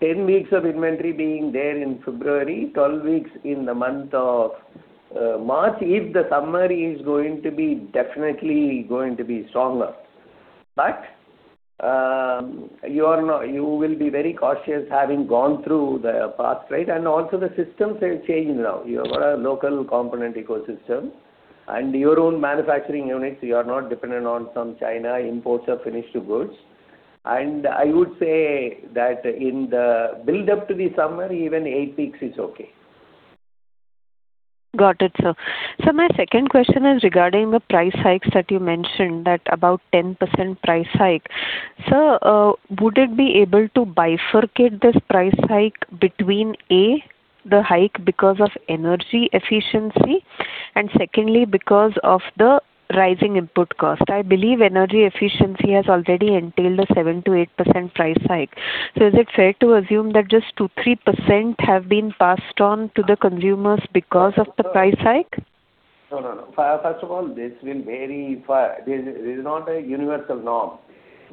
10 weeks of inventory being there in February, 12 weeks in the month of March, if the summer is going to be definitely going to be stronger. But you will be very cautious having gone through the past, right? And also the systems are changing now. You've got a local component ecosystem and your own manufacturing units, you are not dependent on some China imports or finished goods. I would say that in the build-up to the summer, even eight weeks is okay. Got it, sir. So my second question is regarding the price hikes that you mentioned, that about 10% price hike. Sir, would it be able to bifurcate this price hike between, A, the hike because of energy efficiency, and secondly, because of the rising input cost? I believe energy efficiency has already entailed a 7%-8% price hike. So is it fair to assume that just 2-3% have been passed on to the consumers because of the price hike? No, no, no. First of all, this will vary for—this, this is not a universal norm.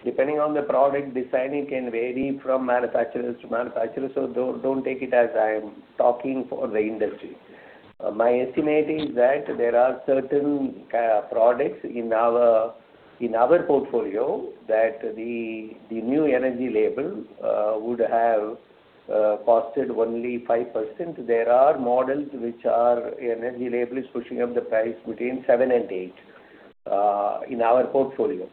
Depending on the product, this timing can vary from manufacturers to manufacturers, so don't, don't take it as I'm talking for the industry. My estimate is that there are certain products in our portfolio that the new energy label would have costed only 5%. There are models which are, energy label is pushing up the price between 7%-8% in our portfolio.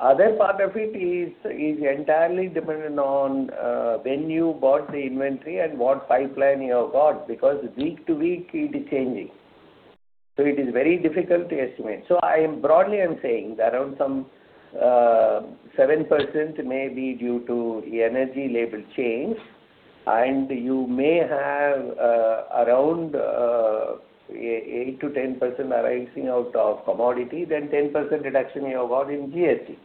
Other part of it is entirely dependent on when you bought the inventory and what pipeline you have got, because week to week it is changing. So it is very difficult to estimate. So I am broadly, I'm saying around some 7% may be due to energy label change, and you may have around 8%-10% arising out of commodity, then 10% reduction you have got in GSC.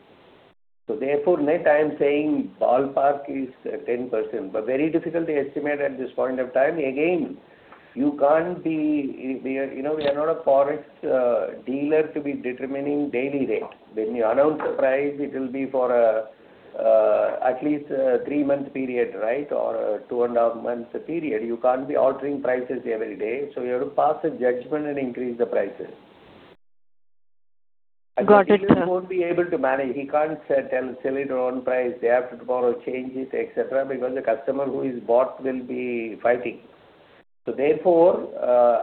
So therefore, net, I am saying ballpark is 10%, but very difficult to estimate at this point of time. Again, you can't be, we are, you know, we are not a forex dealer to be determining daily rate. When you announce the price, it will be for at least three months period, right? Or two ina half months period. You can't be altering prices every day, so you have to pass a judgment and increase the prices. Got it, sir. You won't be able to manage. He can't set and sell it on price, day after tomorrow, change it, et cetera, because the customer who has bought will be fighting. So therefore,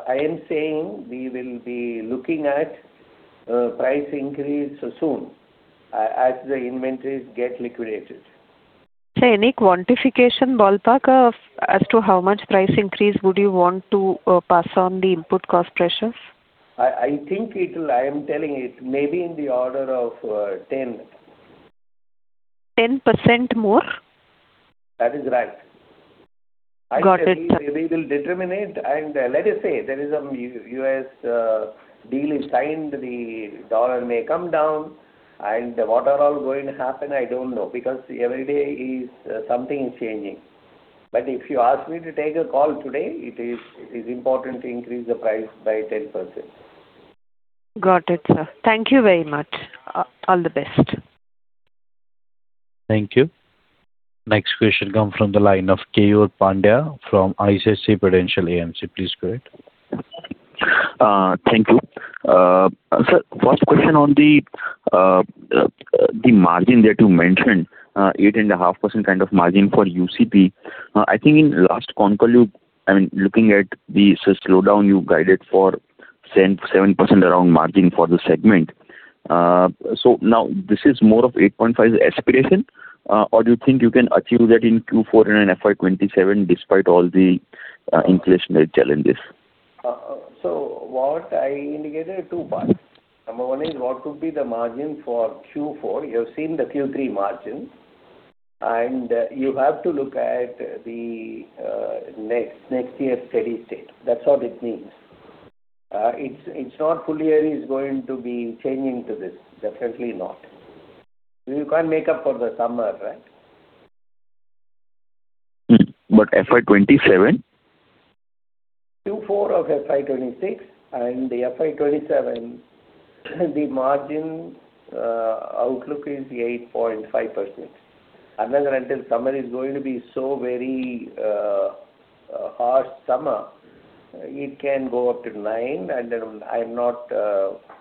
I am saying we will be looking at price increase soon, as the inventories get liquidated. Sir, any quantification ballpark of as to how much price increase would you want to pass on the input cost pressures? I, I think it will. I am telling it may be in the order of 10. 10% more? That is right. Got it. We will determine it, and let us say there is some U.S. deal is signed, the dollar may come down, and what are all going to happen, I don't know, because every day is something is changing. But if you ask me to take a call today, it is, it is important to increase the price by 10%. Got it, sir. Thank you very much. All the best. Thank you. Next question come from the line of Keyur Pandya from ICICI Prudential AMC. Please go ahead. Thank you. Sir, first question on the margin that you mentioned, 8.5% kind of margin for UCP. I think in last concall you-- I mean, looking at the slowdown you guided for 7% around margin for the segment. So now this is more of 8.5 aspiration, or do you think you can achieve that in Q4 and in FY 2027, despite all the inflationary challenges? So what I indicated, two parts. Number one is, what could be the margin for Q4? You have seen the Q3 margins, and you have to look at the next year steady state. That's what it means. It's not full year is going to be changing to this, definitely not. You can't make up for the summer, right? Mm. But FY 2027? Q4 of FY 2026 and the FY 2027, the margin outlook is 8.5%. Unless until summer is going to be so very harsh summer, it can go up to nine, and then I'm not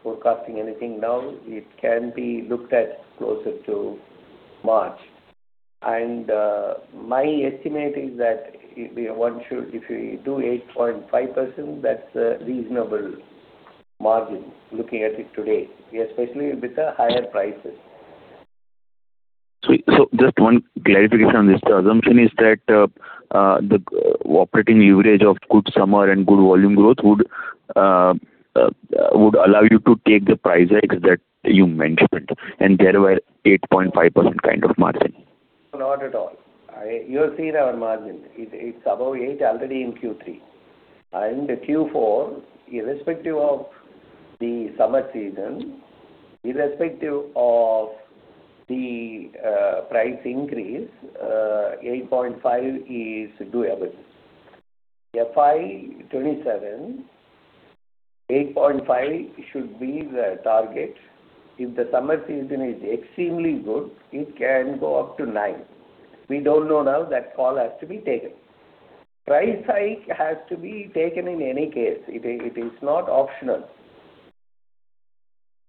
forecasting anything now. It can be looked at closer to March. And my estimate is that if you do 8.5%, that's a reasonable margin, looking at it today, especially with the higher prices. So, just one clarification on this. The assumption is that the operating leverage of good summer and good volume growth would allow you to take the price hikes that you mentioned, and thereby 8.5% kind of margin? Not at all. I... You have seen our margin. It, it's above eight already in Q3. Q4, irrespective of the summer season, irrespective of the price increase, 8.5 is doable. FY 2027, 8.5 should be the target. If the summer season is extremely good, it can go up to 9. We don't know now, that call has to be taken. Price hike has to be taken in any case. It is, it is not optional.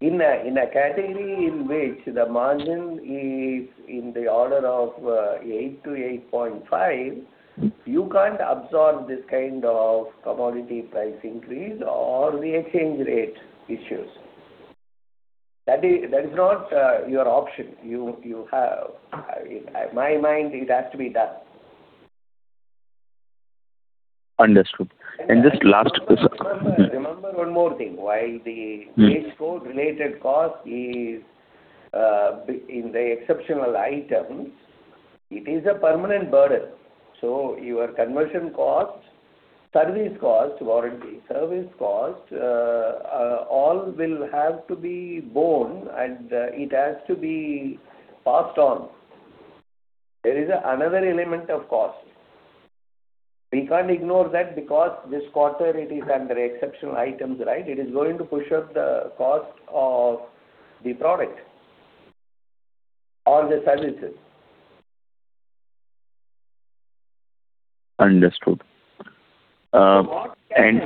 In a category in which the margin is in the order of 8-8.5, you can't absorb this kind of commodity price increase or the exchange rate issues. That is, that is not your option. You, you have, in my mind, it has to be done. Understood. Just last question- Remember, remember one more thing. While the- Mm. Wage Code related cost is, in the exceptional item, it is a permanent burden. So your conversion costs, service costs, warranty, service costs, all will have to be borne and, it has to be passed on. There is another element of cost. We can't ignore that because this quarter it is under exceptional items, right? It is going to push up the cost of the product or the services. Understood. What can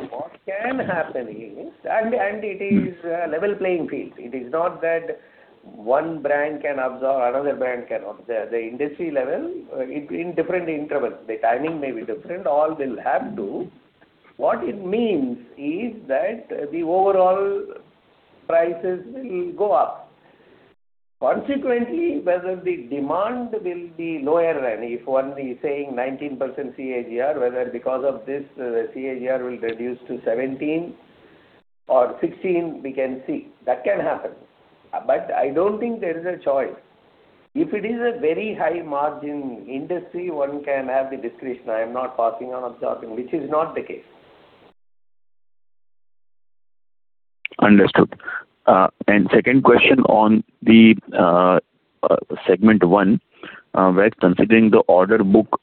happen is... And it is a level playing field. It is not that one brand can absorb, another brand cannot. The industry level, in different intervals, the timing may be different, all will have to... What it means is that the overall prices will go up. Consequently, whether the demand will be lower than if one is saying 19% CAGR, whether because of this, the CAGR will reduce to 17 or 16, we can see. That can happen, but I don't think there is a choice. If it is a very high margin industry, one can have the discretion. I am not passing on absorbing, which is not the case. Understood. And second question on the segment one, where considering the order book,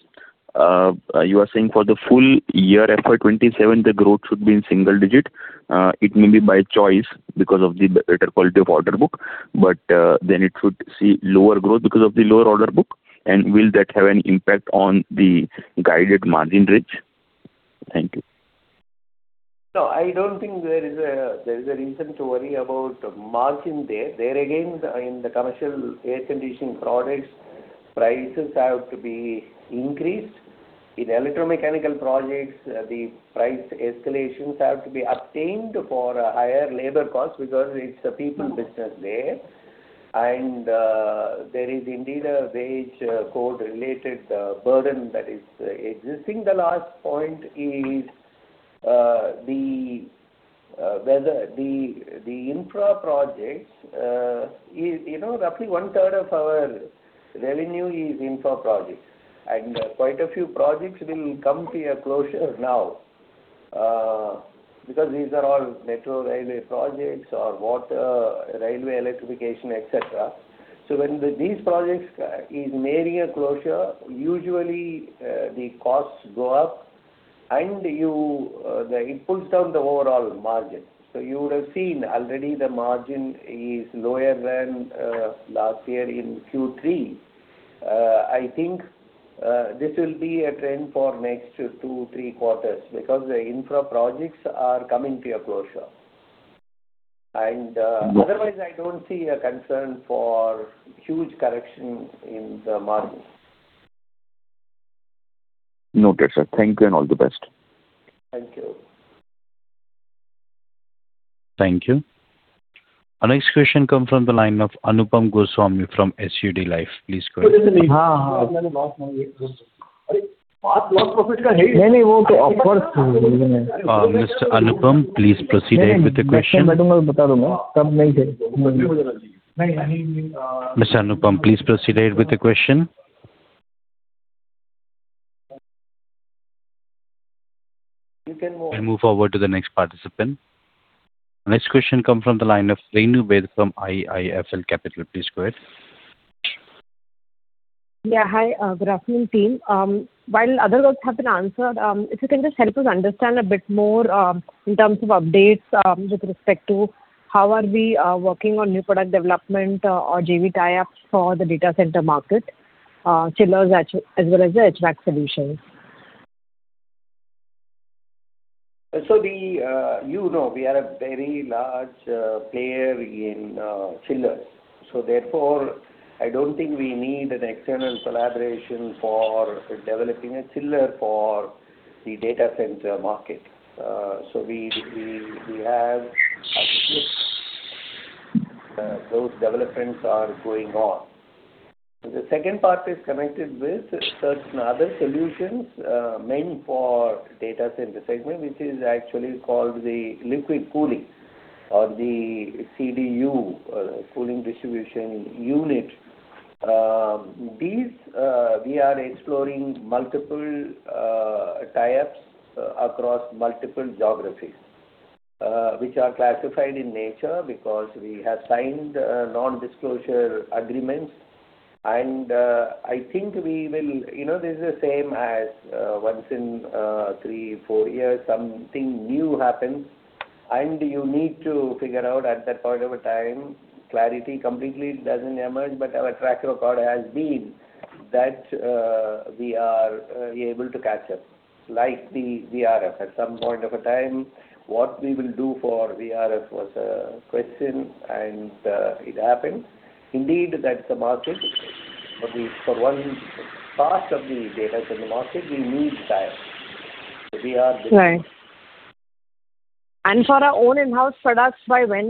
you are saying for the full year FY 2027, the growth should be in single digit. It may be by choice because of the better quality of order book, but then it should see lower growth because of the lower order book, and will that have any impact on the guided margin reach? Thank you. No, I don't think there is a reason to worry about margin there. There again, in the Commercial Air Conditioning products, prices have to be increased. In Electro-Mechanical Projects, the price escalations have to be obtained for a higher labor cost because it's a people business there, and there is indeed a wage code-related burden that is existing. The last point is whether the infra projects is, you know, roughly one-third of our revenue is infra projects, and quite a few projects will come to a closure now because these are all metro railway projects or water, railway electrification, et cetera. So when these projects is nearing a closure, usually the costs go up and it pulls down the overall margin. So you would have seen already the margin is lower than last year in Q3. I think this will be a trend for next two, three quarters, because the infra projects are coming to a closure. And Good. Otherwise, I don't see a concern for huge correction in the margin. Noted, sir. Thank you, and all the best. Thank you. Thank you. Our next question comes from the line of Anupam Goswami from SBI Life. Please go ahead. Mr. Anupam, please proceed with the question. Mr. Anupam, please proceed with the question. You can go. I'll move forward to the next participant. Next question come from the line of Renu Baid from IIFL Capital, please go ahead. Yeah, hi. Good afternoon, team. While other queries have been answered, if you can just help us understand a bit more in terms of updates with respect to how we are working on new product development or JV tie-ups for the data center market, chillers as well, as well as the HVAC solutions? So the, you know, we are a very large, player in, chillers, so therefore, I don't think we need an external collaboration for developing a chiller for the data center market. So we have those developments are going on. The second part is connected with certain other solutions, meant for data center segment, which is actually called the liquid cooling or the CDU, Cooling Distribution Unit. These, we are exploring multiple, tie-ups across multiple geographies, which are classified in nature because we have signed, non-disclosure agreements. And, I think we will... You know, this is the same as once in 3, 4 years, something new happens, and you need to figure out at that point of a time, clarity completely doesn't emerge, but our track record has been that we are able to catch up, like the VRF. At some point of a time, what we will do for VRF was a question, and it happened. Indeed, that's the market, but we, for one part of the data center market, we need time. So we are- Right. For our own in-house products, by when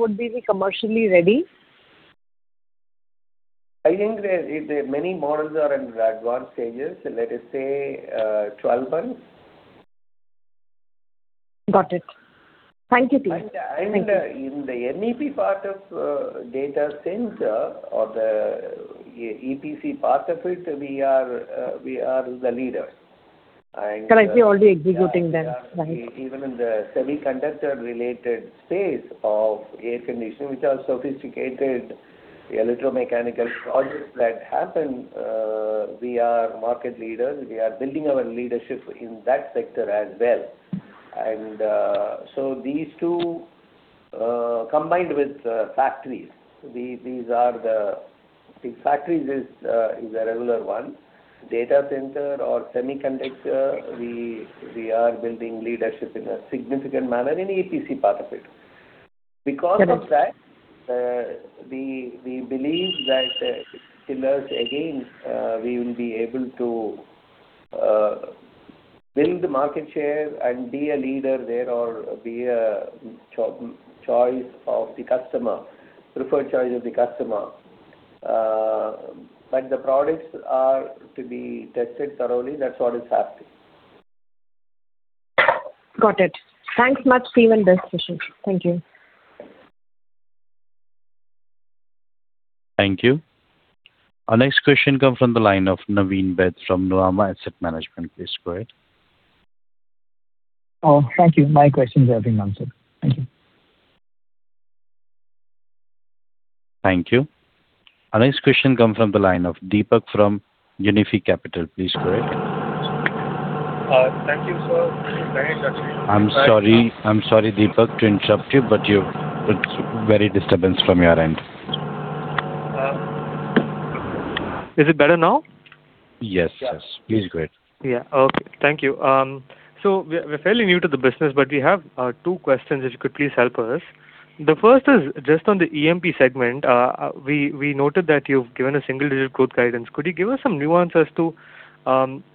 would we be commercially ready? I think the many models are in advanced stages, let us say, 12 months. Got it. Thank you, please. And, and- Thank you. In the MEP part of data center or the EPC part of it, we are the leader. And- Correctly, already executing then. Even in the semiconductor-related space of air conditioning, which are sophisticated Electro-Mechanical Projects that happen, we are market leaders. We are building our leadership in that sector as well. And, so these two, combined with factories, these are the factories. The factories is a regular one. Data center or semiconductor, we are building leadership in a significant manner in EPC part of it. Because of that, we believe that pillars again, we will be able to build the market share and be a leader there or be a choice of the customer, preferred choice of the customer. But the products are to be tested thoroughly. That's what is happening. Got it. Thanks much. See you and best wishes. Thank you. Thank you. Our next question comes from the line of Naveen Baid from Nuvama Asset Management. Please go ahead. Oh, thank you. My questions have been answered. Thank you. Thank you. Our next question comes from the line of Deepak from Unifi Capital. Please go ahead. Thank you, sir. Very interesting. I'm sorry. I'm sorry, Deepak, to interrupt you, but you're... It's very disturbance from your end. Is it better now? Yes, yes. Please go ahead. Yeah. Okay. Thank you. So we are, we're fairly new to the business, but we have two questions, if you could please help us. The first is just on the MEP segment. We noted that you've given a single-digit growth guidance. Could you give us some nuance as to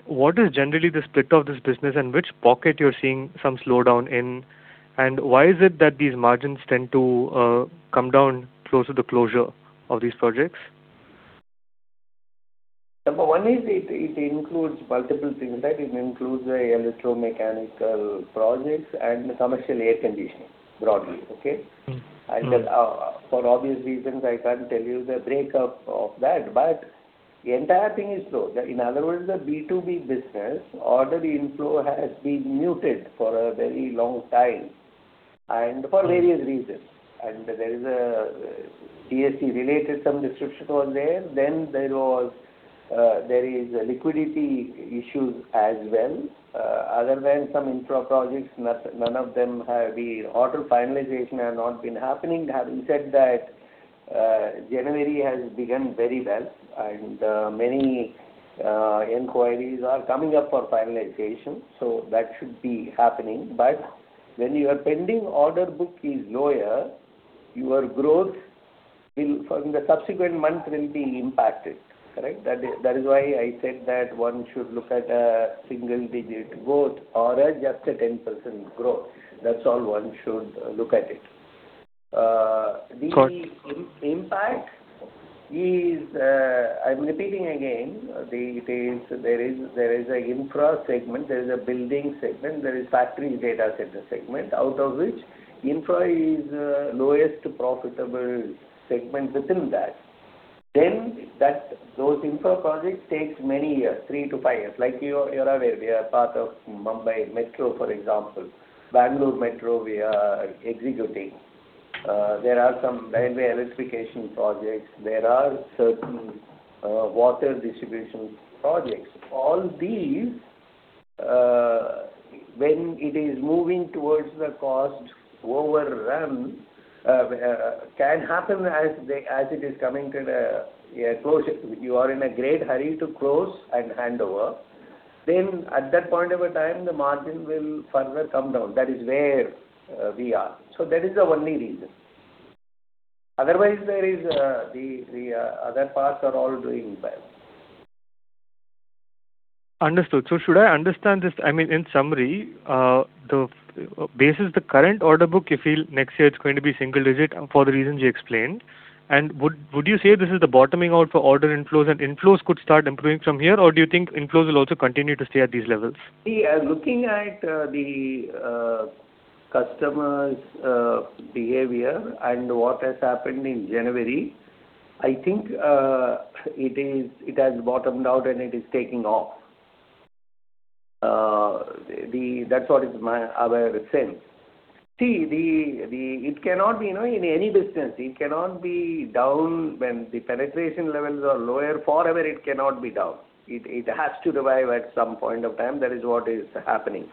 what is generally the split of this business, and which pocket you're seeing some slowdown in? And why is it that these margins tend to come down close to the closure of these projects? Number one is, it, it includes multiple things, right? It includes the Electro-Mechanical Projects and the Commercial Air Conditioning, broadly, okay? Mm-hmm. And then, for obvious reasons, I can't tell you the breakup of that, but the entire thing is slow. In other words, the B2B business, order inflow has been muted for a very long time, and for various reasons. And there is a TCS related, some disruption over there. Then there was, there is liquidity issues as well. Other than some infra projects, none of them have the order finalization have not been happening. Having said that, January has begun very well, and, many, inquiries are coming up for finalization, so that should be happening. But when your pending order book is lower, your growth will, from the subsequent month, will be impacted, correct? That is, that is why I said that one should look at a single-digit growth or a just a 10% growth. That's all one should look at it. Uh- Got- The impact is, I'm repeating again, there is a infra segment, there is a building segment, there is factory data center segment, out of which infra is, lowest profitable segment within that. Then, those infra projects takes many years, 3-5 years. Like, you're aware, we are part of Mumbai Metro, for example. Bangalore Metro, we are executing. There are some railway electrification projects. There are certain, water distribution projects. All these, when it is moving towards the cost overrun, can happen as it is coming to a closure. You are in a great hurry to close and hand over. Then, at that point of a time, the margin will further come down. That is where, we are. So that is the only reason. Otherwise, the other parts are all doing well. Understood. So should I understand this... I mean, in summary, the basis the current order book, you feel next year it's going to be single digit for the reasons you explained. And would you say this is the bottoming out for order inflows, and inflows could start improving from here? Or do you think inflows will also continue to stay at these levels? See, looking at the customer's behavior and what has happened in January, I think it is, it has bottomed out, and it is taking off. That's what is my, our sense. See, it cannot be, you know, in any business, it cannot be down when the penetration levels are lower. Forever, it cannot be down. It has to revive at some point of time. That is what is happening.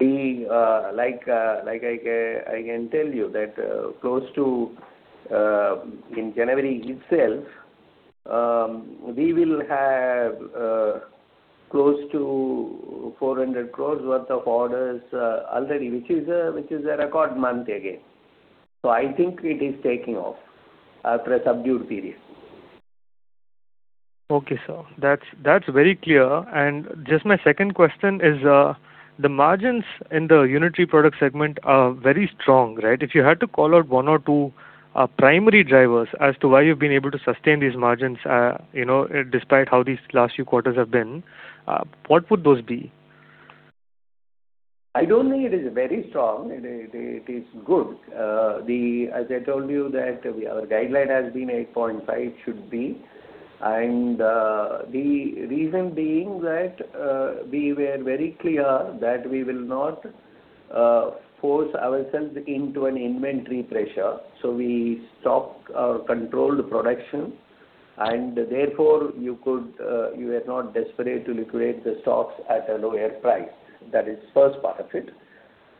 Like, like I can tell you that, close to, in January itself, we will have close to 400 crore worth of orders already, which is a record month again. So I think it is taking off after a subdued period. Okay, sir. That's, that's very clear. Just my second question is, the margins in the unitary product segment are very strong, right? If you had to call out one or two, primary drivers as to why you've been able to sustain these margins, you know, despite how these last few quarters have been, what would those be? I don't think it is very strong. It is good. As I told you, that our guideline has been 8.5, should be. The reason being that, we were very clear that we will not force ourselves into an inventory pressure. So we stopped our controlled production, and therefore you are not desperate to liquidate the stocks at a lower price. That is first part of it.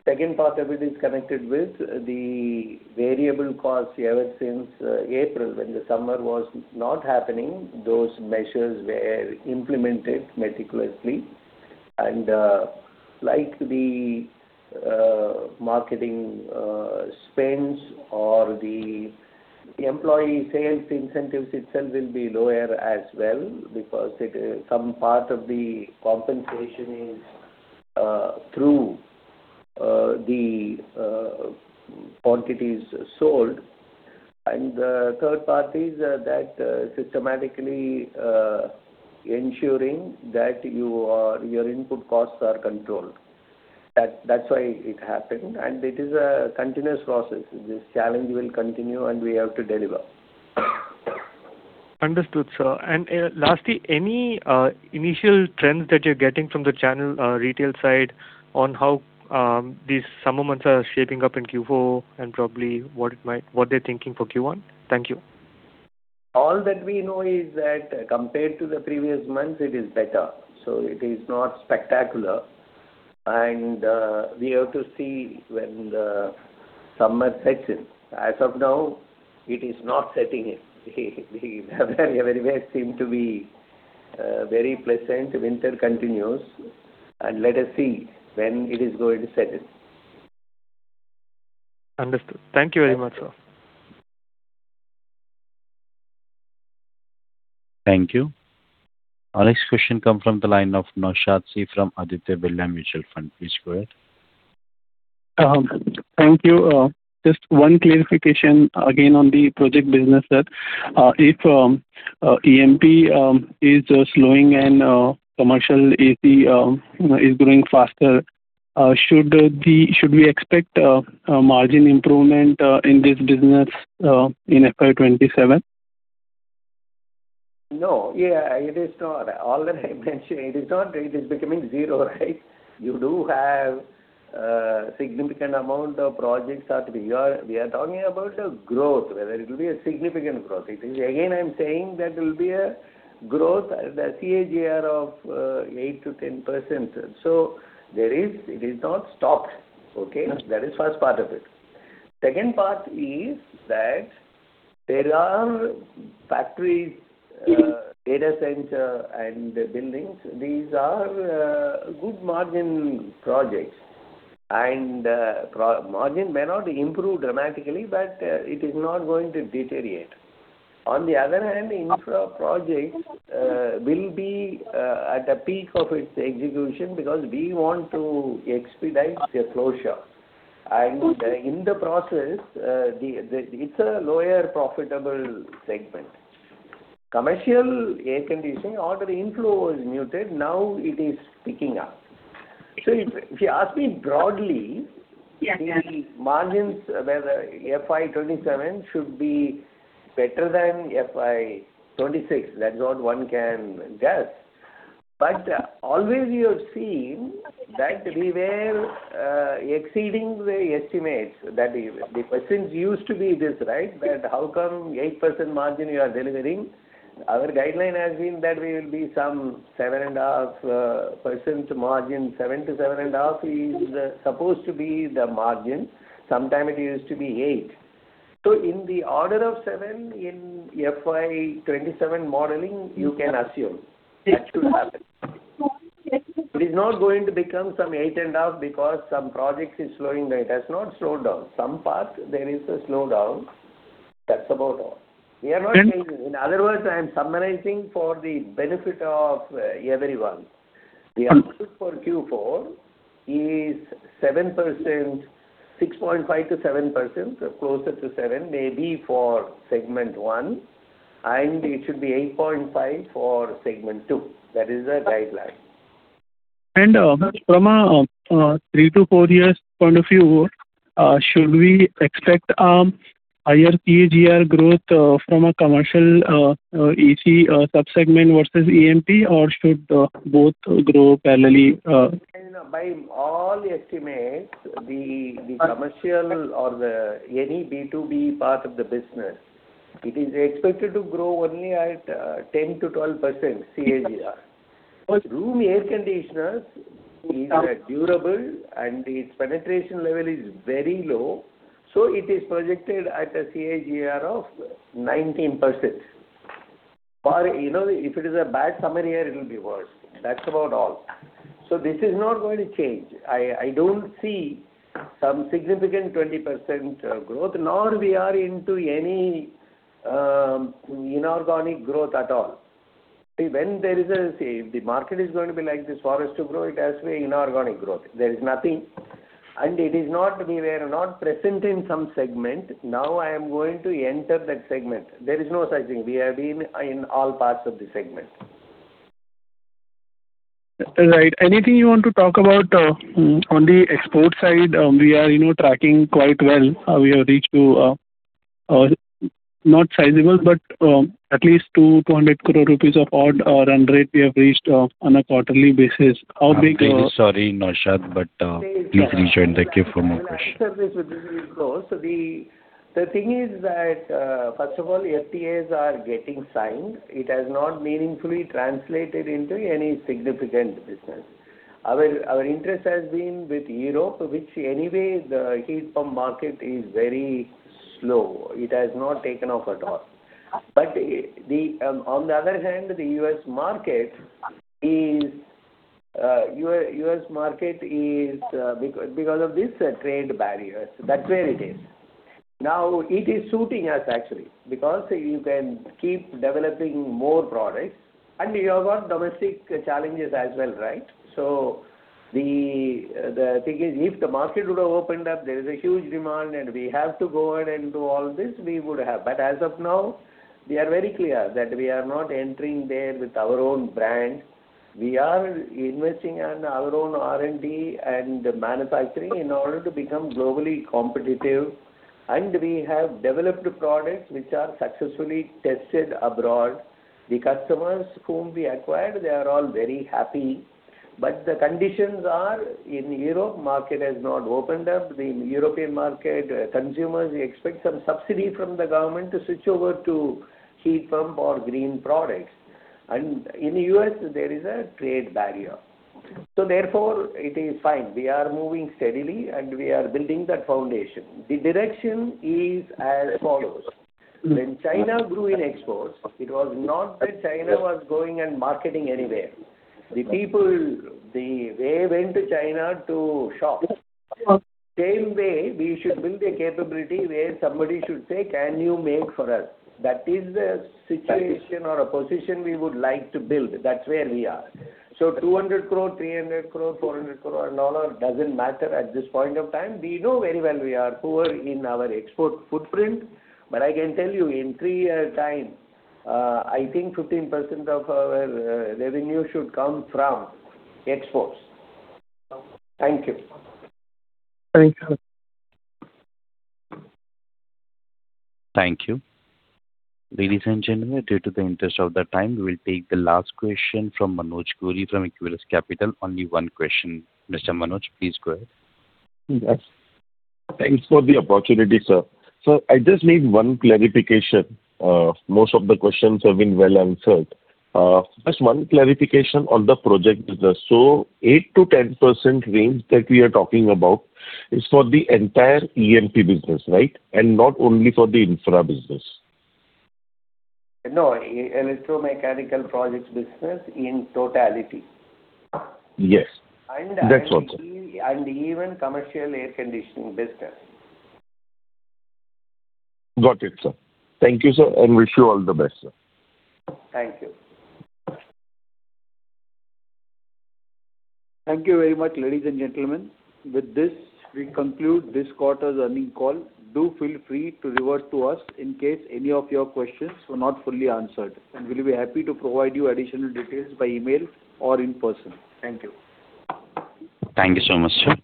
Second part of it is connected with the variable costs ever since April, when the summer was not happening, those measures were implemented meticulously. And like the marketing spends or the employee sales incentives itself will be lower as well, because some part of the compensation is through the quantities sold. Third part is that systematically ensuring that your input costs are controlled. That's why it happened, and it is a continuous process. This challenge will continue, and we have to deliver. Understood, sir. And lastly, any initial trends that you're getting from the channel, retail side on how these summer months are shaping up in Q4, and probably what they're thinking for Q1? Thank you. All that we know is that, compared to the previous months, it is better. So it is not spectacular. And we have to see when the summer sets in. As of now, it is not setting in. The weather everywhere seem to be very pleasant, winter continues, and let us see when it is going to set in. Understood. Thank you very much, sir. Thank you. Our next question come from the line of Naushad Sheikh from Aditya Birla Mutual Fund. Please go ahead. Thank you. Just one clarification again on the project business, sir. If MEP is slowing and commercial AC, you know, is growing faster, should we expect a margin improvement in this business in FY 2027? No. Yeah, it is not. All that I mentioned, it is not, it is becoming zero, right? You do have significant amount of projects out there. We are, we are talking about a growth, whether it will be a significant growth. It is again, I'm saying that it will be a growth at a CAGR of 8%-10%. So there is, it is not stopped, okay? Yes. That is first part of it. Second part is that there are factories, data center and buildings. These are good margin projects, and profit margin may not improve dramatically, but it is not going to deteriorate. On the other hand, infra projects will be at the peak of its execution because we want to expedite a closure. And- Okay. -in the process, it's a lower profitable segment. Commercial air conditioning, order inflow is muted, now it is picking up. So if you ask me broadly- Yeah, yeah. the margins, whether FY 2027 should be better than FY 2026, that's what one can guess. But always you have seen that we were exceeding the estimates, that the percents used to be this, right? That how come 8% margin you are delivering? Our guideline has been that we will be some 7.5% margin. 7%-7.5% is supposed to be the margin. Sometimes it used to be 8%. So in the order of 7 in FY 2027 modeling, you can assume that should happen. It is not going to become some 8.5% because some projects is slowing down. It has not slowed down. Some parts, there is a slowdown. That's about all. Mm. We are not changing. In other words, I am summarizing for the benefit of, everyone. Mm. The outlook for Q4 is 7%, 6.5%-7%, closer to 7, maybe for segment one, and it should be 8.5 for segment two. That is the guideline. From three to four years point of view, should we expect higher CAGR growth from a commercial AC sub-segment versus MEP, or should both grow parallelly? By all estimates, the commercial- Uh. or the any B2B part of the business, it is expected to grow only at 10%-12% CAGR. Okay. Room air conditioners is durable, and its penetration level is very low, so it is projected at a CAGR of 19%. Or, you know, if it is a bad summer year, it will be worse. That's about all. So this is not going to change. I don't see some significant 20% growth, nor we are into any inorganic growth at all. See, if the market is going to be like this for us to grow, it has to be inorganic growth. There is nothing, and it is not, we were not present in some segment, now I am going to enter that segment. There is no such thing. We have been in all parts of the segment. Right. Anything you want to talk about on the export side? We are, you know, tracking quite well. We have reached to not sizable, but at least 200 crore rupees or so we have reached on a quarterly basis. How big are- I'm very sorry, Naushad, but please rejoin the queue for more question. I'll answer this with this close. So the thing is that, first of all, FTAs are getting signed. It has not meaningfully translated into any significant business. Our interest has been with Europe, which anyway, the heat pump market is very slow. It has not taken off at all. But on the other hand, the U.S. market is, because of this trade barriers, that's where it is. Now, it is suiting us, actually, because you can keep developing more products, and we have got domestic challenges as well, right? So the thing is, if the market would have opened up, there is a huge demand, and we have to go ahead and do all this, we would have. But as of now, we are very clear that we are not entering there with our own brand. We are investing on our own R&D and manufacturing in order to become globally competitive, and we have developed products which are successfully tested abroad. The customers whom we acquired, they are all very happy. But the conditions are, in Europe, market has not opened up. The European market consumers expect some subsidy from the government to switch over to heat pump or green products. And in the US, there is a trade barrier. So therefore, it is fine. We are moving steadily, and we are building that foundation. The direction is as follows: when China grew in exports, it was not that China was going and marketing anywhere. The people, they went to China to shop. Same way, we should build a capability where somebody should say, "Can you make for us?" That is a situation or a position we would like to build. That's where we are. So 200 crore, 300 crore, $400 crore, doesn't matter at this point of time. We know very well we are poor in our export footprint, but I can tell you, in 3 year time, I think 15% of our revenue should come from exports. Thank you. Thank you. Thank you. Ladies and gentlemen, due to the interest of the time, we will take the last question from Manoj Gori from Equirus Capital. Only one question. Mr. Manoj, please go ahead. Yes. Thanks for the opportunity, sir. Sir, I just need one clarification. Most of the questions have been well answered. Just one clarification on the project business. So 8%-10% range that we are talking about is for the entire MEP business, right? And not only for the infra business. No, Electro-Mechanical Projects business in totality. Yes. That's all, sir. Even Commercial Air Conditioning business. Got it, sir. Thank you, sir, and wish you all the best, sir. Thank you. Thank you very much, ladies and gentlemen. With this, we conclude this quarter's earnings call. Do feel free to revert to us in case any of your questions were not fully answered, and we'll be happy to provide you additional details by email or in person. Thank you. Thank you so much, sir.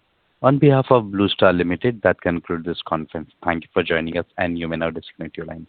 On behalf of Blue Star Limited, that concludes this conference. Thank you for joining us, and you may now disconnect your line.